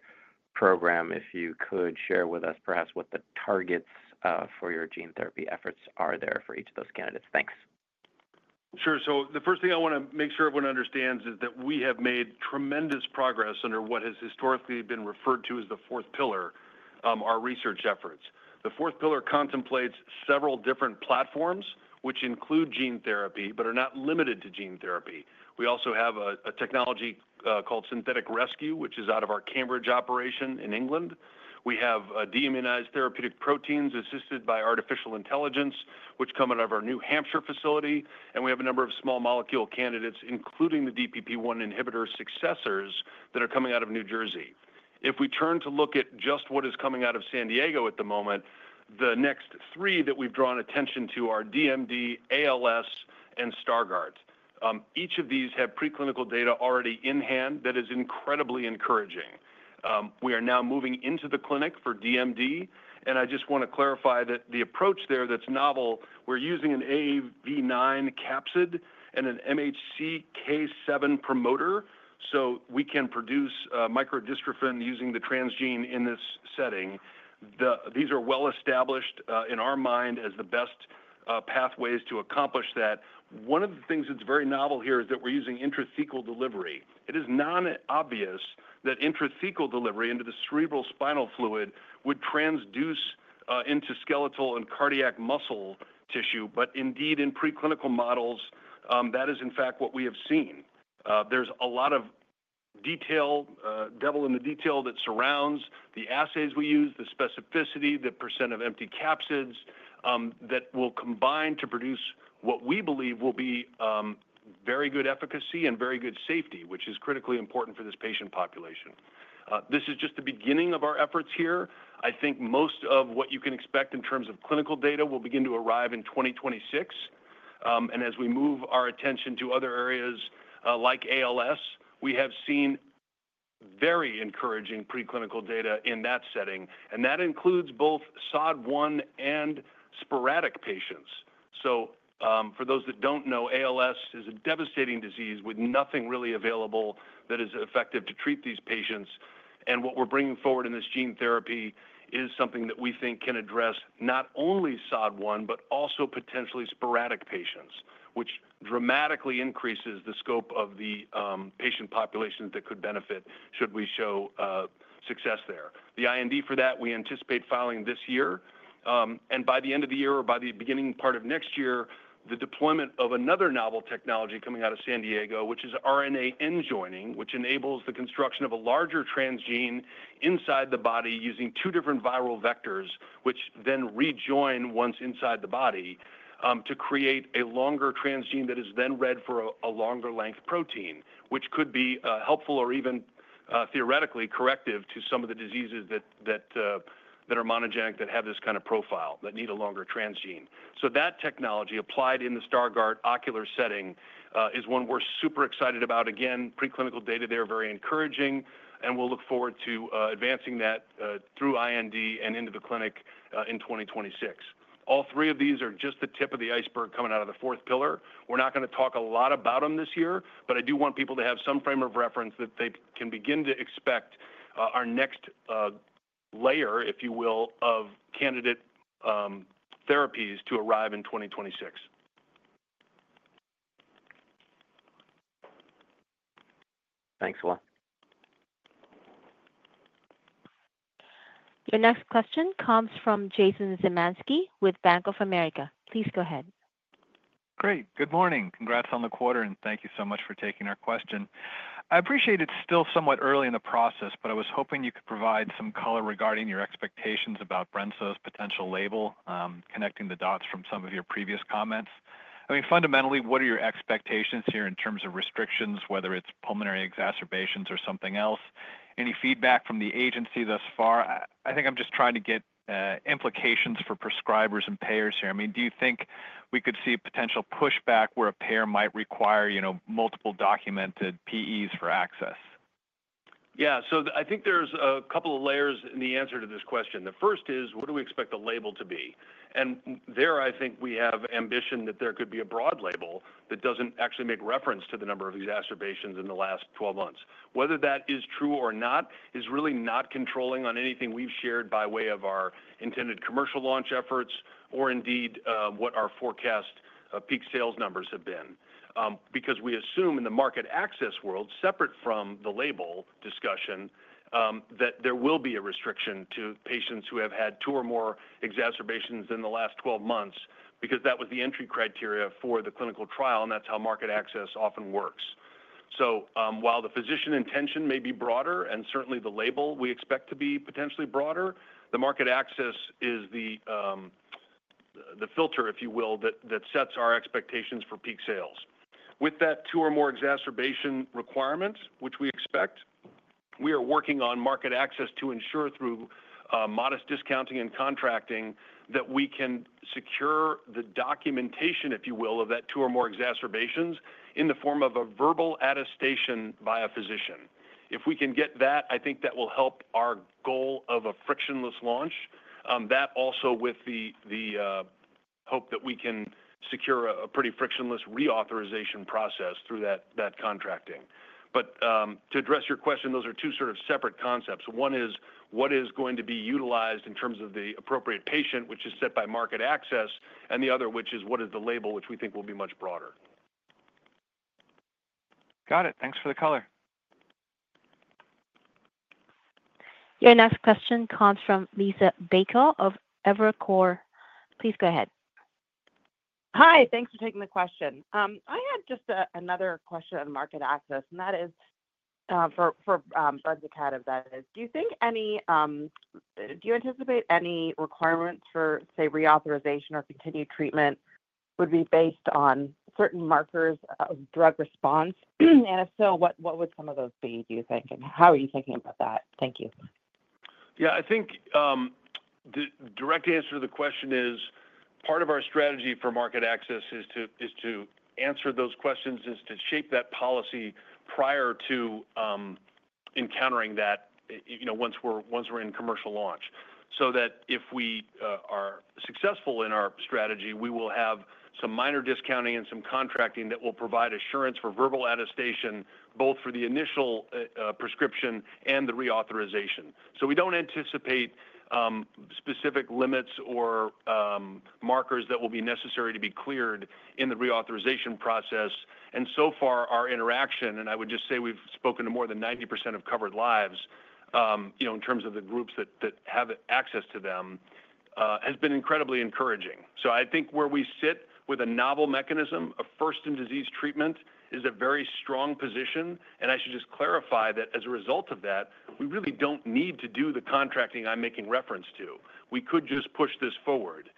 program, if you could share with us perhaps what the targets for your gene therapy efforts are there for each of those candidates. Thanks. Sure. So the first thing I want to make sure everyone understands is that we have made tremendous progress under what has historically been referred to as the fourth pillar, our research efforts. The fourth pillar contemplates several different platforms, which include gene therapy, but are not limited to gene therapy. We also have a technology called Synthetic Rescue, which is out of our Cambridge operation in England. We have deimmunized therapeutic proteins assisted by artificial intelligence, which come out of our New Hampshire facility. And we have a number of small molecule candidates, including the DPP1 inhibitor successors that are coming out of New Jersey. If we turn to look at just what is coming out of San Diego at the moment, the next three that we've drawn attention to are DMD, ALS, and Stargardt. Each of these have preclinical data already in hand that is incredibly encouraging. We are now moving into the clinic for DMD. And I just want to clarify that the approach there that's novel, we're using an AAV9 capsid and an MHCK7 promoter so we can produce microdystrophin using the transgene in this setting. These are well established in our mind as the best pathways to accomplish that. One of the things that's very novel here is that we're using intrathecal delivery. It is non-obvious that intrathecal delivery into the cerebrospinal fluid would transduce into skeletal and cardiac muscle tissue. But indeed, in preclinical models, that is in fact what we have seen. There's a lot of detail, devil in the detail that surrounds the assays we use, the specificity, the percent of empty capsids that will combine to produce what we believe will be very good efficacy and very good safety, which is critically important for this patient population. This is just the beginning of our efforts here. I think most of what you can expect in terms of clinical data will begin to arrive in 2026. As we move our attention to other areas like ALS, we have seen very encouraging preclinical data in that setting. That includes both SOD1 and sporadic patients. For those that don't know, ALS is a devastating disease with nothing really available that is effective to treat these patients. What we're bringing forward in this gene therapy is something that we think can address not only SOD1, but also potentially sporadic patients, which dramatically increases the scope of the patient population that could benefit should we show success there. The IND for that, we anticipate filing this year. By the end of the year or by the beginning part of next year, the deployment of another novel technology coming out of San Diego, which is RNA end-joining, which enables the construction of a larger transgene inside the body using two different viral vectors, which then rejoin once inside the body to create a longer transgene that is then read for a longer length protein, which could be helpful or even theoretically corrective to some of the diseases that are monogenic that have this kind of profile that need a longer transgene. So that technology applied in the Stargardt ocular setting is one we're super excited about. Again, preclinical data there are very encouraging. We'll look forward to advancing that through IND and into the clinic in 2026. All three of these are just the tip of the iceberg coming out of the fourth pillar. We're not going to talk a lot about them this year, but I do want people to have some frame of reference that they can begin to expect our next layer, if you will, of candidate therapies to arrive in 2026. Thanks, Will. Your next question comes from Jason Zemansky with Bank of America. Please go ahead. Great. Good morning. Congrats on the quarter, and thank you so much for taking our question. I appreciate it's still somewhat early in the process, but I was hoping you could provide some color regarding your expectations about brensocatib's potential label, connecting the dots from some of your previous comments. I mean, fundamentally, what are your expectations here in terms of restrictions, whether it's pulmonary exacerbations or something else? Any feedback from the agency thus far? I think I'm just trying to get implications for prescribers and payers here. I mean, do you think we could see a potential pushback where a payer might require multiple documented PEs for access? Yeah. So I think there's a couple of layers in the answer to this question. The first is, what do we expect the label to be? And there, I think we have ambition that there could be a broad label that doesn't actually make reference to the number of exacerbations in the last 12 months. Whether that is true or not is really not controlling on anything we've shared by way of our intended commercial launch efforts or indeed what our forecast peak sales numbers have been. Because we assume in the market access world, separate from the label discussion, that there will be a restriction to patients who have had two or more exacerbations in the last 12 months because that was the entry criteria for the clinical trial, and that's how market access often works, so while the physician intention may be broader and certainly the label we expect to be potentially broader, the market access is the filter, if you will, that sets our expectations for peak sales. With that two or more exacerbation requirement, which we expect, we are working on market access to ensure through modest discounting and contracting that we can secure the documentation, if you will, of that two or more exacerbations in the form of a verbal attestation by a physician. If we can get that, I think that will help our goal of a frictionless launch. That also with the hope that we can secure a pretty frictionless reauthorization process through that contracting. But to address your question, those are two sort of separate concepts. One is what is going to be utilized in terms of the appropriate patient, which is set by market access, and the other, which is what is the label, which we think will be much broader. Got it. Thanks for the color. Your next question comes from Liisa Bayko of Evercore ISI. Please go ahead. Hi. Thanks for taking the question. I had just another question on market access. And that is for brensocatib, that is. Do you anticipate any requirements for, say, reauthorization or continued treatment would be based on certain markers of drug response? And if so, what would some of those be, do you think? And how are you thinking about that? Thank you. Yeah. I think the direct answer to the question is part of our strategy for market access is to answer those questions is to shape that policy prior to encountering that once we're in commercial launch so that if we are successful in our strategy, we will have some minor discounting and some contracting that will provide assurance for verbal attestation both for the initial prescription and the reauthorization. So we don't anticipate specific limits or markers that will be necessary to be cleared in the reauthorization process. And so far, our interaction, and I would just say we've spoken to more than 90% of covered lives in terms of the groups that have access to them, has been incredibly encouraging. So I think where we sit with a novel mechanism of first-in-disease treatment is a very strong position. I should just clarify that as a result of that, we really don't need to do the contracting I'm making reference to. We could just push this forward.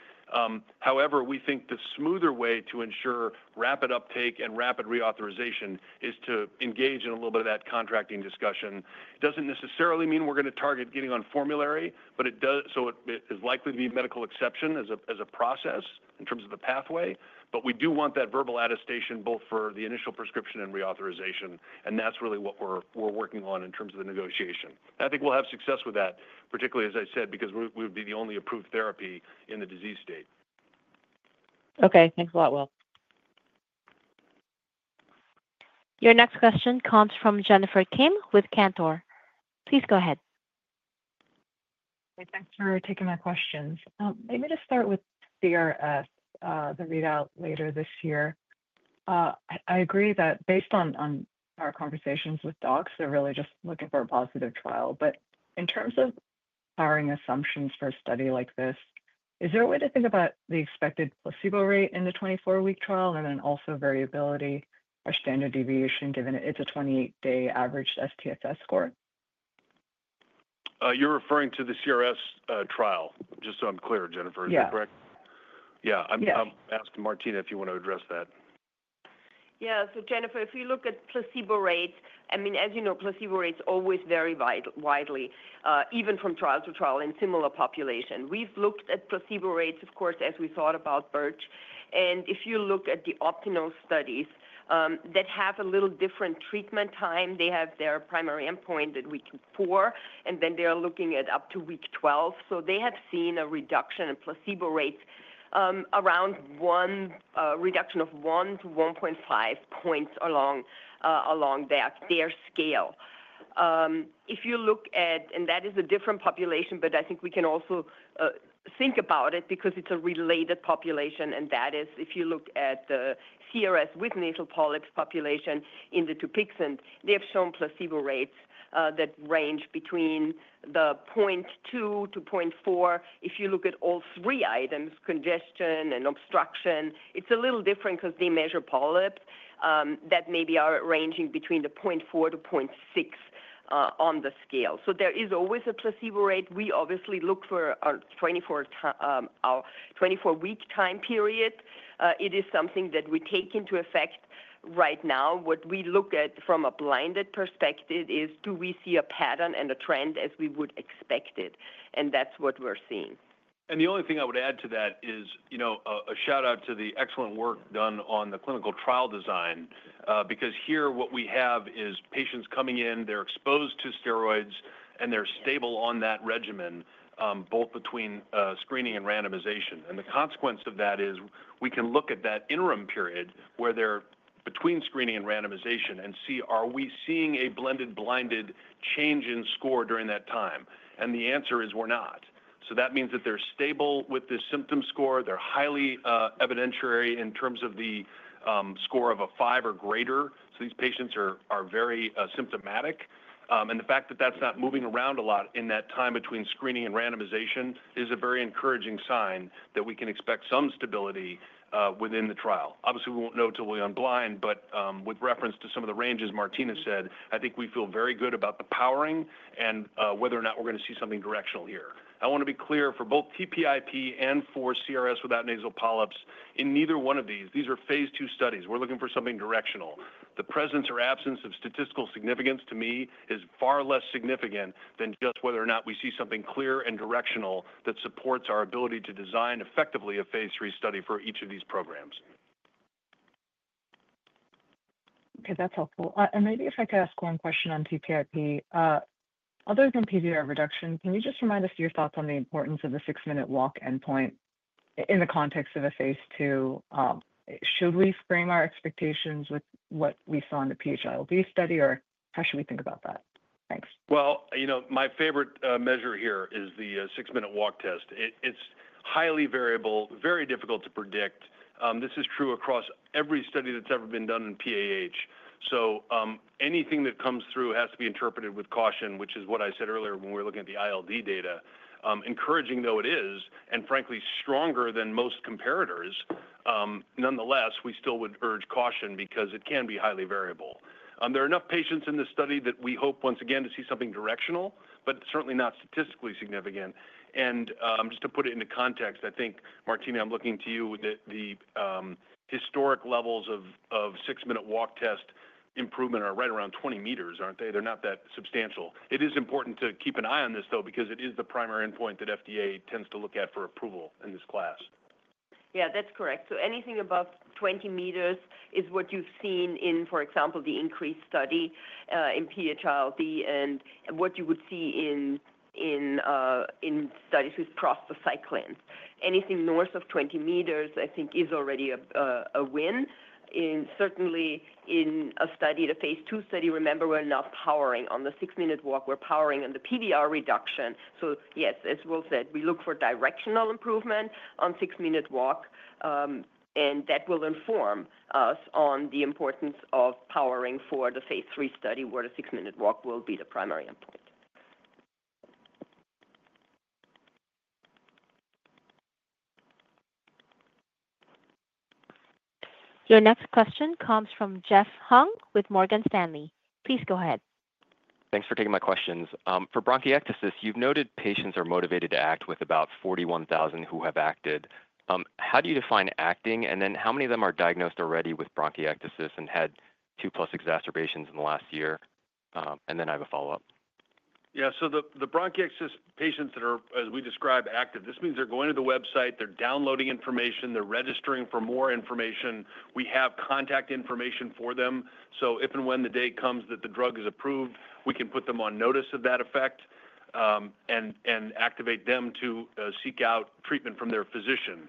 However, we think the smoother way to ensure rapid uptake and rapid reauthorization is to engage in a little bit of that contracting discussion. It doesn't necessarily mean we're going to target getting on formulary, but it is likely to be a medical exception as a process in terms of the pathway. But we do want that verbal attestation both for the initial prescription and reauthorization. And that's really what we're working on in terms of the negotiation. I think we'll have success with that, particularly, as I said, because we would be the only approved therapy in the disease state. Okay. Thanks a lot, Will. Your next question comes from Jennifer Kim with Cantor. Please go ahead. Thanks for taking my questions. Maybe to start with CRS, the readout later this year, I agree that based on our conversations with docs, they're really just looking for a positive trial. But in terms of prior assumptions for a study like this, is there a way to think about the expected placebo rate in the 24-week trial and then also variability or standard deviation given it's a 28-day average SNOT score? You're referring to the CRS trial. Just so I'm clear, Jennifer, is that correct? Yeah. Yeah. I'm asking Martina if you want to address that. Yeah. So Jennifer, if you look at placebo rates, I mean, as you know, placebo rates always vary widely, even from trial to trial in similar population. We've looked at placebo rates, of course, as we thought about Birch. And if you look at the Optinose studies that have a little different treatment time, they have their primary endpoint that we can compare. And then they're looking at up to week 12. So they have seen a reduction in placebo rates, reduction of 1-1.5 points along their scale. If you look at, and that is a different population, but I think we can also think about it because it's a related population. And that is if you look at the CRS with nasal polyps population in the Dupixent, they have shown placebo rates that range between the 0.2-0.4. If you look at all three items, congestion and obstruction, it's a little different because they measure polyps that maybe are ranging between the 0.4-0.6 on the scale. So there is always a placebo rate. We obviously look for our 24-week time period. It is something that we take into effect right now. What we look at from a blinded perspective is do we see a pattern and a trend as we would expect it? And that's what we're seeing. And the only thing I would add to that is a shout-out to the excellent work done on the clinical trial design because here what we have is patients coming in, they're exposed to steroids, and they're stable on that regimen both between screening and randomization. And the consequence of that is we can look at that interim period where they're between screening and randomization and see, are we seeing a blended blinded change in score during that time? And the answer is we're not. So that means that they're stable with the symptom score. They're highly evidentiary in terms of the score of a five or greater. So these patients are very symptomatic. And the fact that that's not moving around a lot in that time between screening and randomization is a very encouraging sign that we can expect some stability within the trial. Obviously, we won't know until we unblind. But with reference to some of the ranges Martina said, I think we feel very good about the powering and whether or not we're going to see something directional here. I want to be clear for both TPIP and for CRS without nasal polyps, in neither one of these, these are Phase 2 studies. We're looking for something directional. The presence or absence of statistical significance to me is far less significant than just whether or not we see something clear and directional that supports our ability to design effectively a Phase 3 study for each of these programs. Okay. That's helpful. Maybe if I could ask one question on TPIP. Other than PVR reduction, can you just remind us of your thoughts on the importance of the six-minute walk endpoint in the context of a Phase 2? Should we frame our expectations with what we saw in the PH-ILD study, or how should we think about that? Thanks. My favorite measure here is the six-minute walk test. It's highly variable, very difficult to predict. This is true across every study that's ever been done in PAH. Anything that comes through has to be interpreted with caution, which is what I said earlier when we were looking at the ILD data. Encouraging, though it is, and frankly, stronger than most comparators. Nonetheless, we still would urge caution because it can be highly variable. There are enough patients in the study that we hope, once again, to see something directional, but certainly not statistically significant. Just to put it into context, I think, Martina, I'm looking to you that the historic levels of six-minute walk test improvement are right around 20 meters, aren't they? They're not that substantial. It is important to keep an eye on this, though, because it is the primary endpoint that FDA tends to look at for approval in this class. Yeah. That's correct. Anything above 20 meters is what you've seen in, for example, the INCREASE study in PH-ILD and what you would see in studies with prostacyclines. Anything north of 20 meters, I think, is already a win. Certainly, in a Phase 2 study, remember, we're not powering on the six-minute walk. We're powering on the PVR reduction. Yes, as Will said, we look for directional improvement on six-minute walk. That will inform us on the importance of powering for the Phase 3 study where the six-minute walk will be the primary endpoint. Your next question comes from Jeff Hung with Morgan Stanley. Please go ahead. Thanks for taking my questions. For bronchiectasis, you've noted patients are motivated to act with about 41,000 who have acted. How do you define acting? And then how many of them are diagnosed already with bronchiectasis and had two-plus exacerbations in the last year? And then I have a follow-up. Yeah. The bronchiectasis patients that are, as we described, active. This means they're going to the website, they're downloading information, they're registering for more information. We have contact information for them. So if and when the day comes that the drug is approved, we can put them on notice of that effect and activate them to seek out treatment from their physician.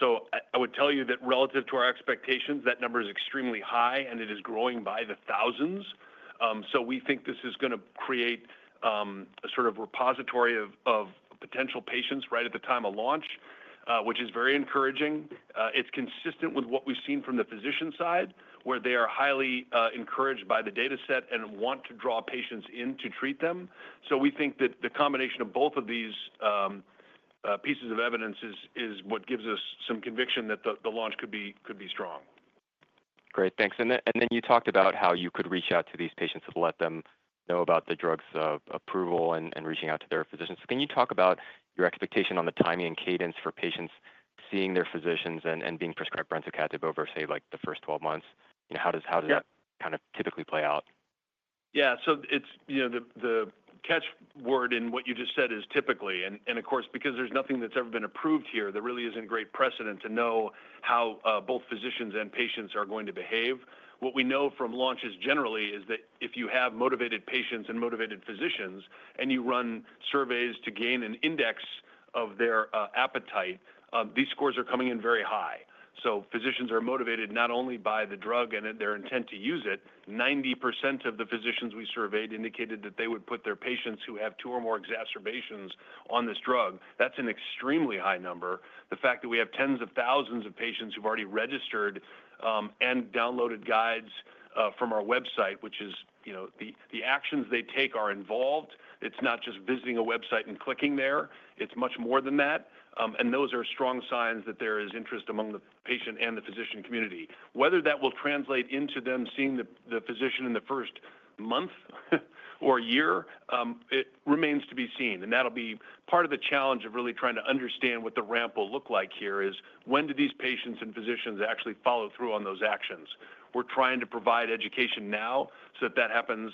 So I would tell you that relative to our expectations, that number is extremely high, and it is growing by the thousands. So we think this is going to create a sort of repository of potential patients right at the time of launch, which is very encouraging. It's consistent with what we've seen from the physician side where they are highly encouraged by the dataset and want to draw patients in to treat them. So we think that the combination of both of these pieces of evidence is what gives us some conviction that the launch could be strong. Great. Thanks. And then you talked about how you could reach out to these patients to let them know about the drug's approval and reaching out to their physicians. Can you talk about your expectation on the timing and cadence for patients seeing their physicians and being prescribed brensocatib over, say, the first 12 months? How does that kind of typically play out? Yeah. So the catchword in what you just said is typically. And of course, because there's nothing that's ever been approved here, there really isn't great precedent to know how both physicians and patients are going to behave. What we know from launches generally is that if you have motivated patients and motivated physicians and you run surveys to gain an index of their appetite, these scores are coming in very high. So physicians are motivated not only by the drug and their intent to use it. 90% of the physicians we surveyed indicated that they would put their patients who have two or more exacerbations on this drug. That's an extremely high number. The fact that we have tens of thousands of patients who've already registered and downloaded guides from our website, which is the actions they take are involved. It's not just visiting a website and clicking there. It's much more than that. And those are strong signs that there is interest among the patient and the physician community. Whether that will translate into them seeing the physician in the first month or year, it remains to be seen. And that'll be part of the challenge of really trying to understand what the ramp will look like here is when do these patients and physicians actually follow through on those actions. We're trying to provide education now so that that happens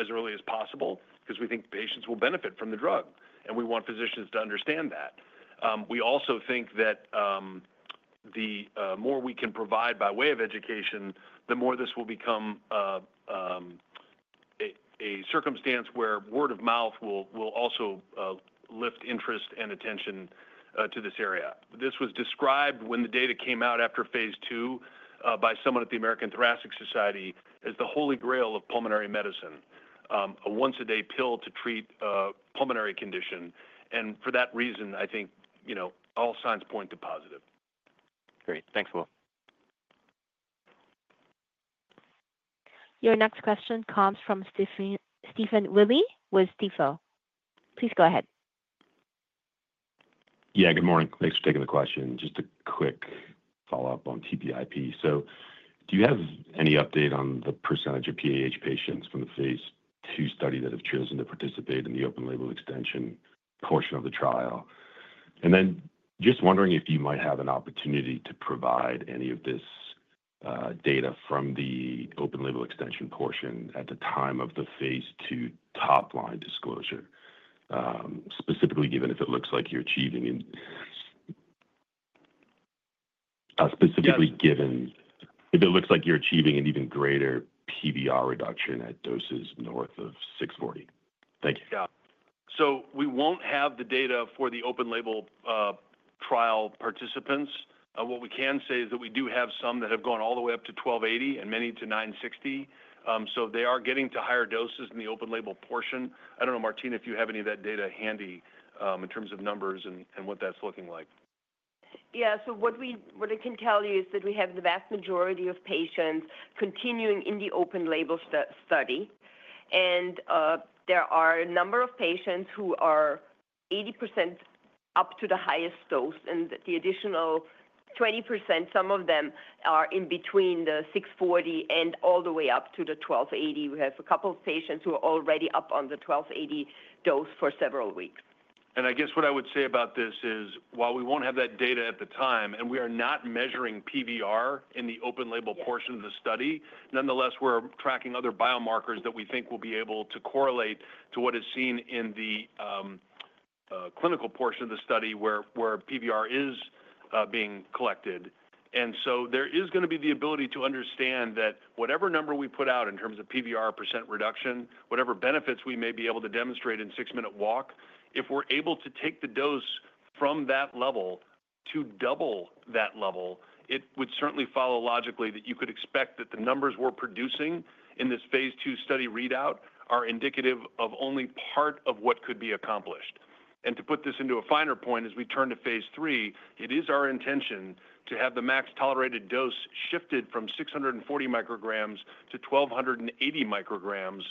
as early as possible because we think patients will benefit from the drug. And we want physicians to understand that. We also think that the more we can provide by way of education, the more this will become a circumstance where word of mouth will also lift interest and attention to this area. This was described when the data came out after Phase 2 by someone at the American Thoracic Society as the holy grail of pulmonary medicine, a once-a-day pill to treat pulmonary condition. And for that reason, I think all signs point to positive. Great. Thanks, Will. Your next question comes from Stephen Willey with Stifel. Please go ahead. Yeah. Good morning. Thanks for taking the question. Just a quick follow-up on TPIP. So do you have any update on the percentage of PAH patients from the Phase 2 study that have chosen to participate in the open label extension portion of the trial? And then just wondering if you might have an opportunity to provide any of this data from the open label extension portion at the time of the Phase 2 top line disclosure, specifically given if it looks like you're achieving an even greater PVR reduction at doses north of 640. Thank you. Yeah. So we won't have the data for the open label trial participants. What we can say is that we do have some that have gone all the way up to 1280 and many to 960. So they are getting to higher doses in the open label portion. I don't know, Martina, if you have any of that data handy in terms of numbers and what that's looking like? Yeah. So what I can tell you is that we have the vast majority of patients continuing in the open label study. And there are a number of patients who are 80% up to the highest dose. And the additional 20%, some of them are in between the 640 and all the way up to the 1280. We have a couple of patients who are already up on the 1280 dose for several weeks. And I guess what I would say about this is, while we won't have that data at the time, and we are not measuring PVR in the open label portion of the study, nonetheless, we're tracking other biomarkers that we think will be able to correlate to what is seen in the clinical portion of the study where PVR is being collected. And so there is going to be the ability to understand that whatever number we put out in terms of PVR percent reduction, whatever benefits we may be able to demonstrate in six-minute walk, if we're able to take the dose from that level to double that level, it would certainly follow logically that you could expect that the numbers we're producing in this Phase 2 study readout are indicative of only part of what could be accomplished. To put this into a finer point, as we turn to Phase 3, it is our intention to have the max tolerated dose shifted from 640 micrograms to 1,280 micrograms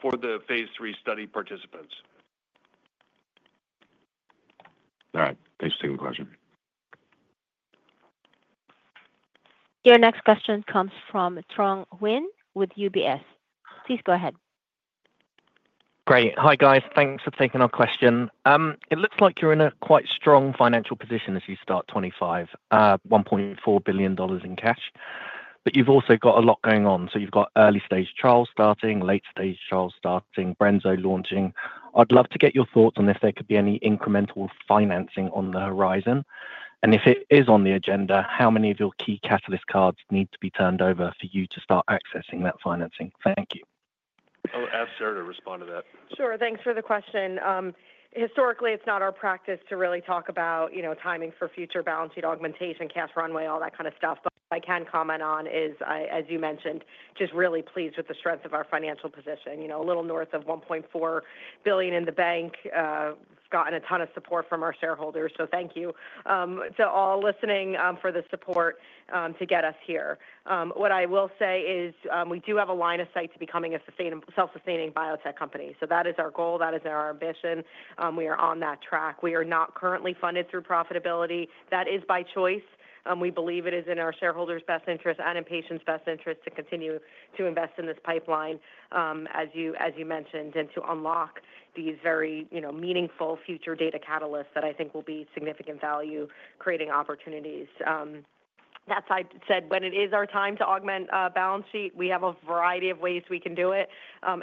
for the Phase 3 study participants. All right. Thanks for taking the question. Your next question comes from Tuan Nguyen with UBS. Please go ahead. Great. Hi, guys. Thanks for taking our question. It looks like you're in a quite strong financial position as you start 2025 with $1.4 billion in cash. But you've also got a lot going on. So you've got early-stage trials starting, late-stage trials starting, brensocatib launching. I'd love to get your thoughts on if there could be any incremental financing on the horizon. And if it is on the agenda, how many of your key catalyst cards need to be turned over for you to start accessing that financing? Thank you. I'll ask Sara to respond to that. Sure. Thanks for the question. Historically, it's not our practice to really talk about timing for future balance sheet augmentation, cash runway, all that kind of stuff. But what I can comment on is, as you mentioned, just really pleased with the strength of our financial position. A little north of $1.4 billion in the bank. We've gotten a ton of support from our shareholders. So thank you to all listening for the support to get us here. What I will say is we do have a line of sight to becoming a self-sustaining biotech company. So that is our goal. That is our ambition. We are on that track. We are not currently funded through profitability. That is by choice. We believe it is in our shareholders' best interest and in patients' best interest to continue to invest in this pipeline, as you mentioned, and to unlock these very meaningful future data catalysts that I think will be significant value, creating opportunities. That's why I said when it is our time to augment a balance sheet, we have a variety of ways we can do it.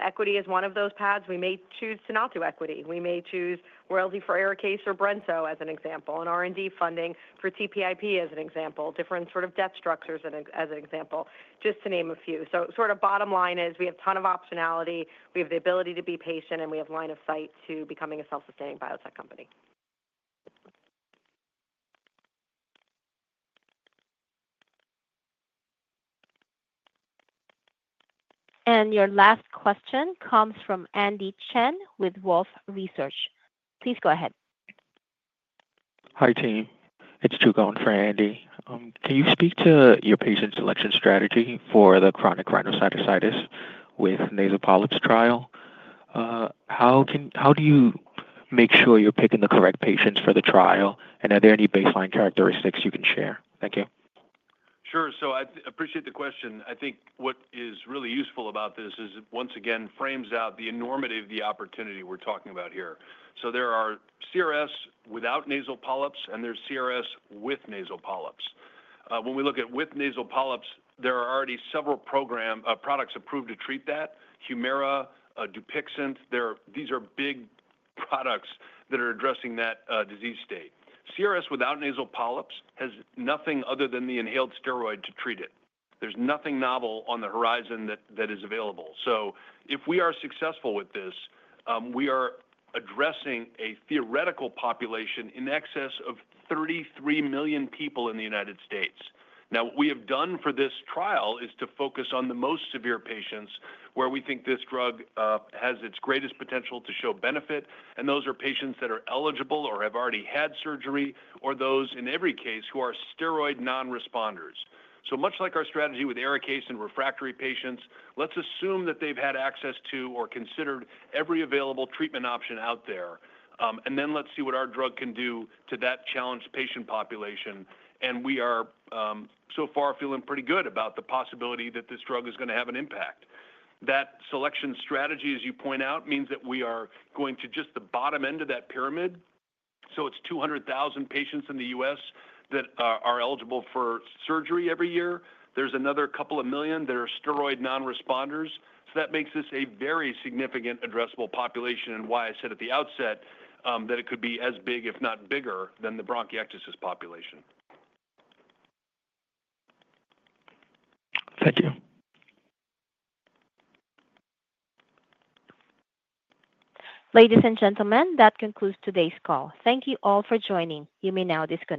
Equity is one of those paths. We may choose to not do equity. We may choose royalty for Arikayce or brensocatib as an example, and R&D funding for TPIP as an example, different sort of debt structures as an example, just to name a few. So sort of bottom line is we have a ton of optionality. We have the ability to be patient, and we have a line of sight to becoming a self-sustaining biotech company. Your last question comes from Andy Chen with Wolfe Research. Please go ahead. Hi, team. It's Tuan on for Andy. Can you speak to your patient selection strategy for the chronic rhinosinusitis with nasal polyps trial? How do you make sure you're picking the correct patients for the trial? And are there any baseline characteristics you can share? Thank you. Sure. I appreciate the question. I think what is really useful about this is it, once again, frames out the enormity of the opportunity we're talking about here. There are CRS without nasal polyps, and there's CRS with nasal polyps. When we look at with nasal polyps, there are already several products approved to treat that: Humira, Dupixent. These are big products that are addressing that disease state. CRS without nasal polyps has nothing other than the inhaled steroid to treat it. There's nothing novel on the horizon that is available. So if we are successful with this, we are addressing a theoretical population in excess of 33 million people in the United States. Now, what we have done for this trial is to focus on the most severe patients where we think this drug has its greatest potential to show benefit. And those are patients that are eligible or have already had surgery or those, in every case, who are steroid non-responders. So much like our strategy with Arikayce and refractory patients, let's assume that they've had access to or considered every available treatment option out there. And then let's see what our drug can do to that challenged patient population. And we are so far feeling pretty good about the possibility that this drug is going to have an impact. That selection strategy, as you point out, means that we are going to just the bottom end of that pyramid. So it's 200,000 patients in the U.S. that are eligible for surgery every year. There's another couple of million that are steroid non-responders. So that makes this a very significant addressable population and why I said at the outset that it could be as big, if not bigger, than the bronchiectasis population. Thank you. Ladies and gentlemen, that concludes today's call. Thank you all for joining. You may now disconnect.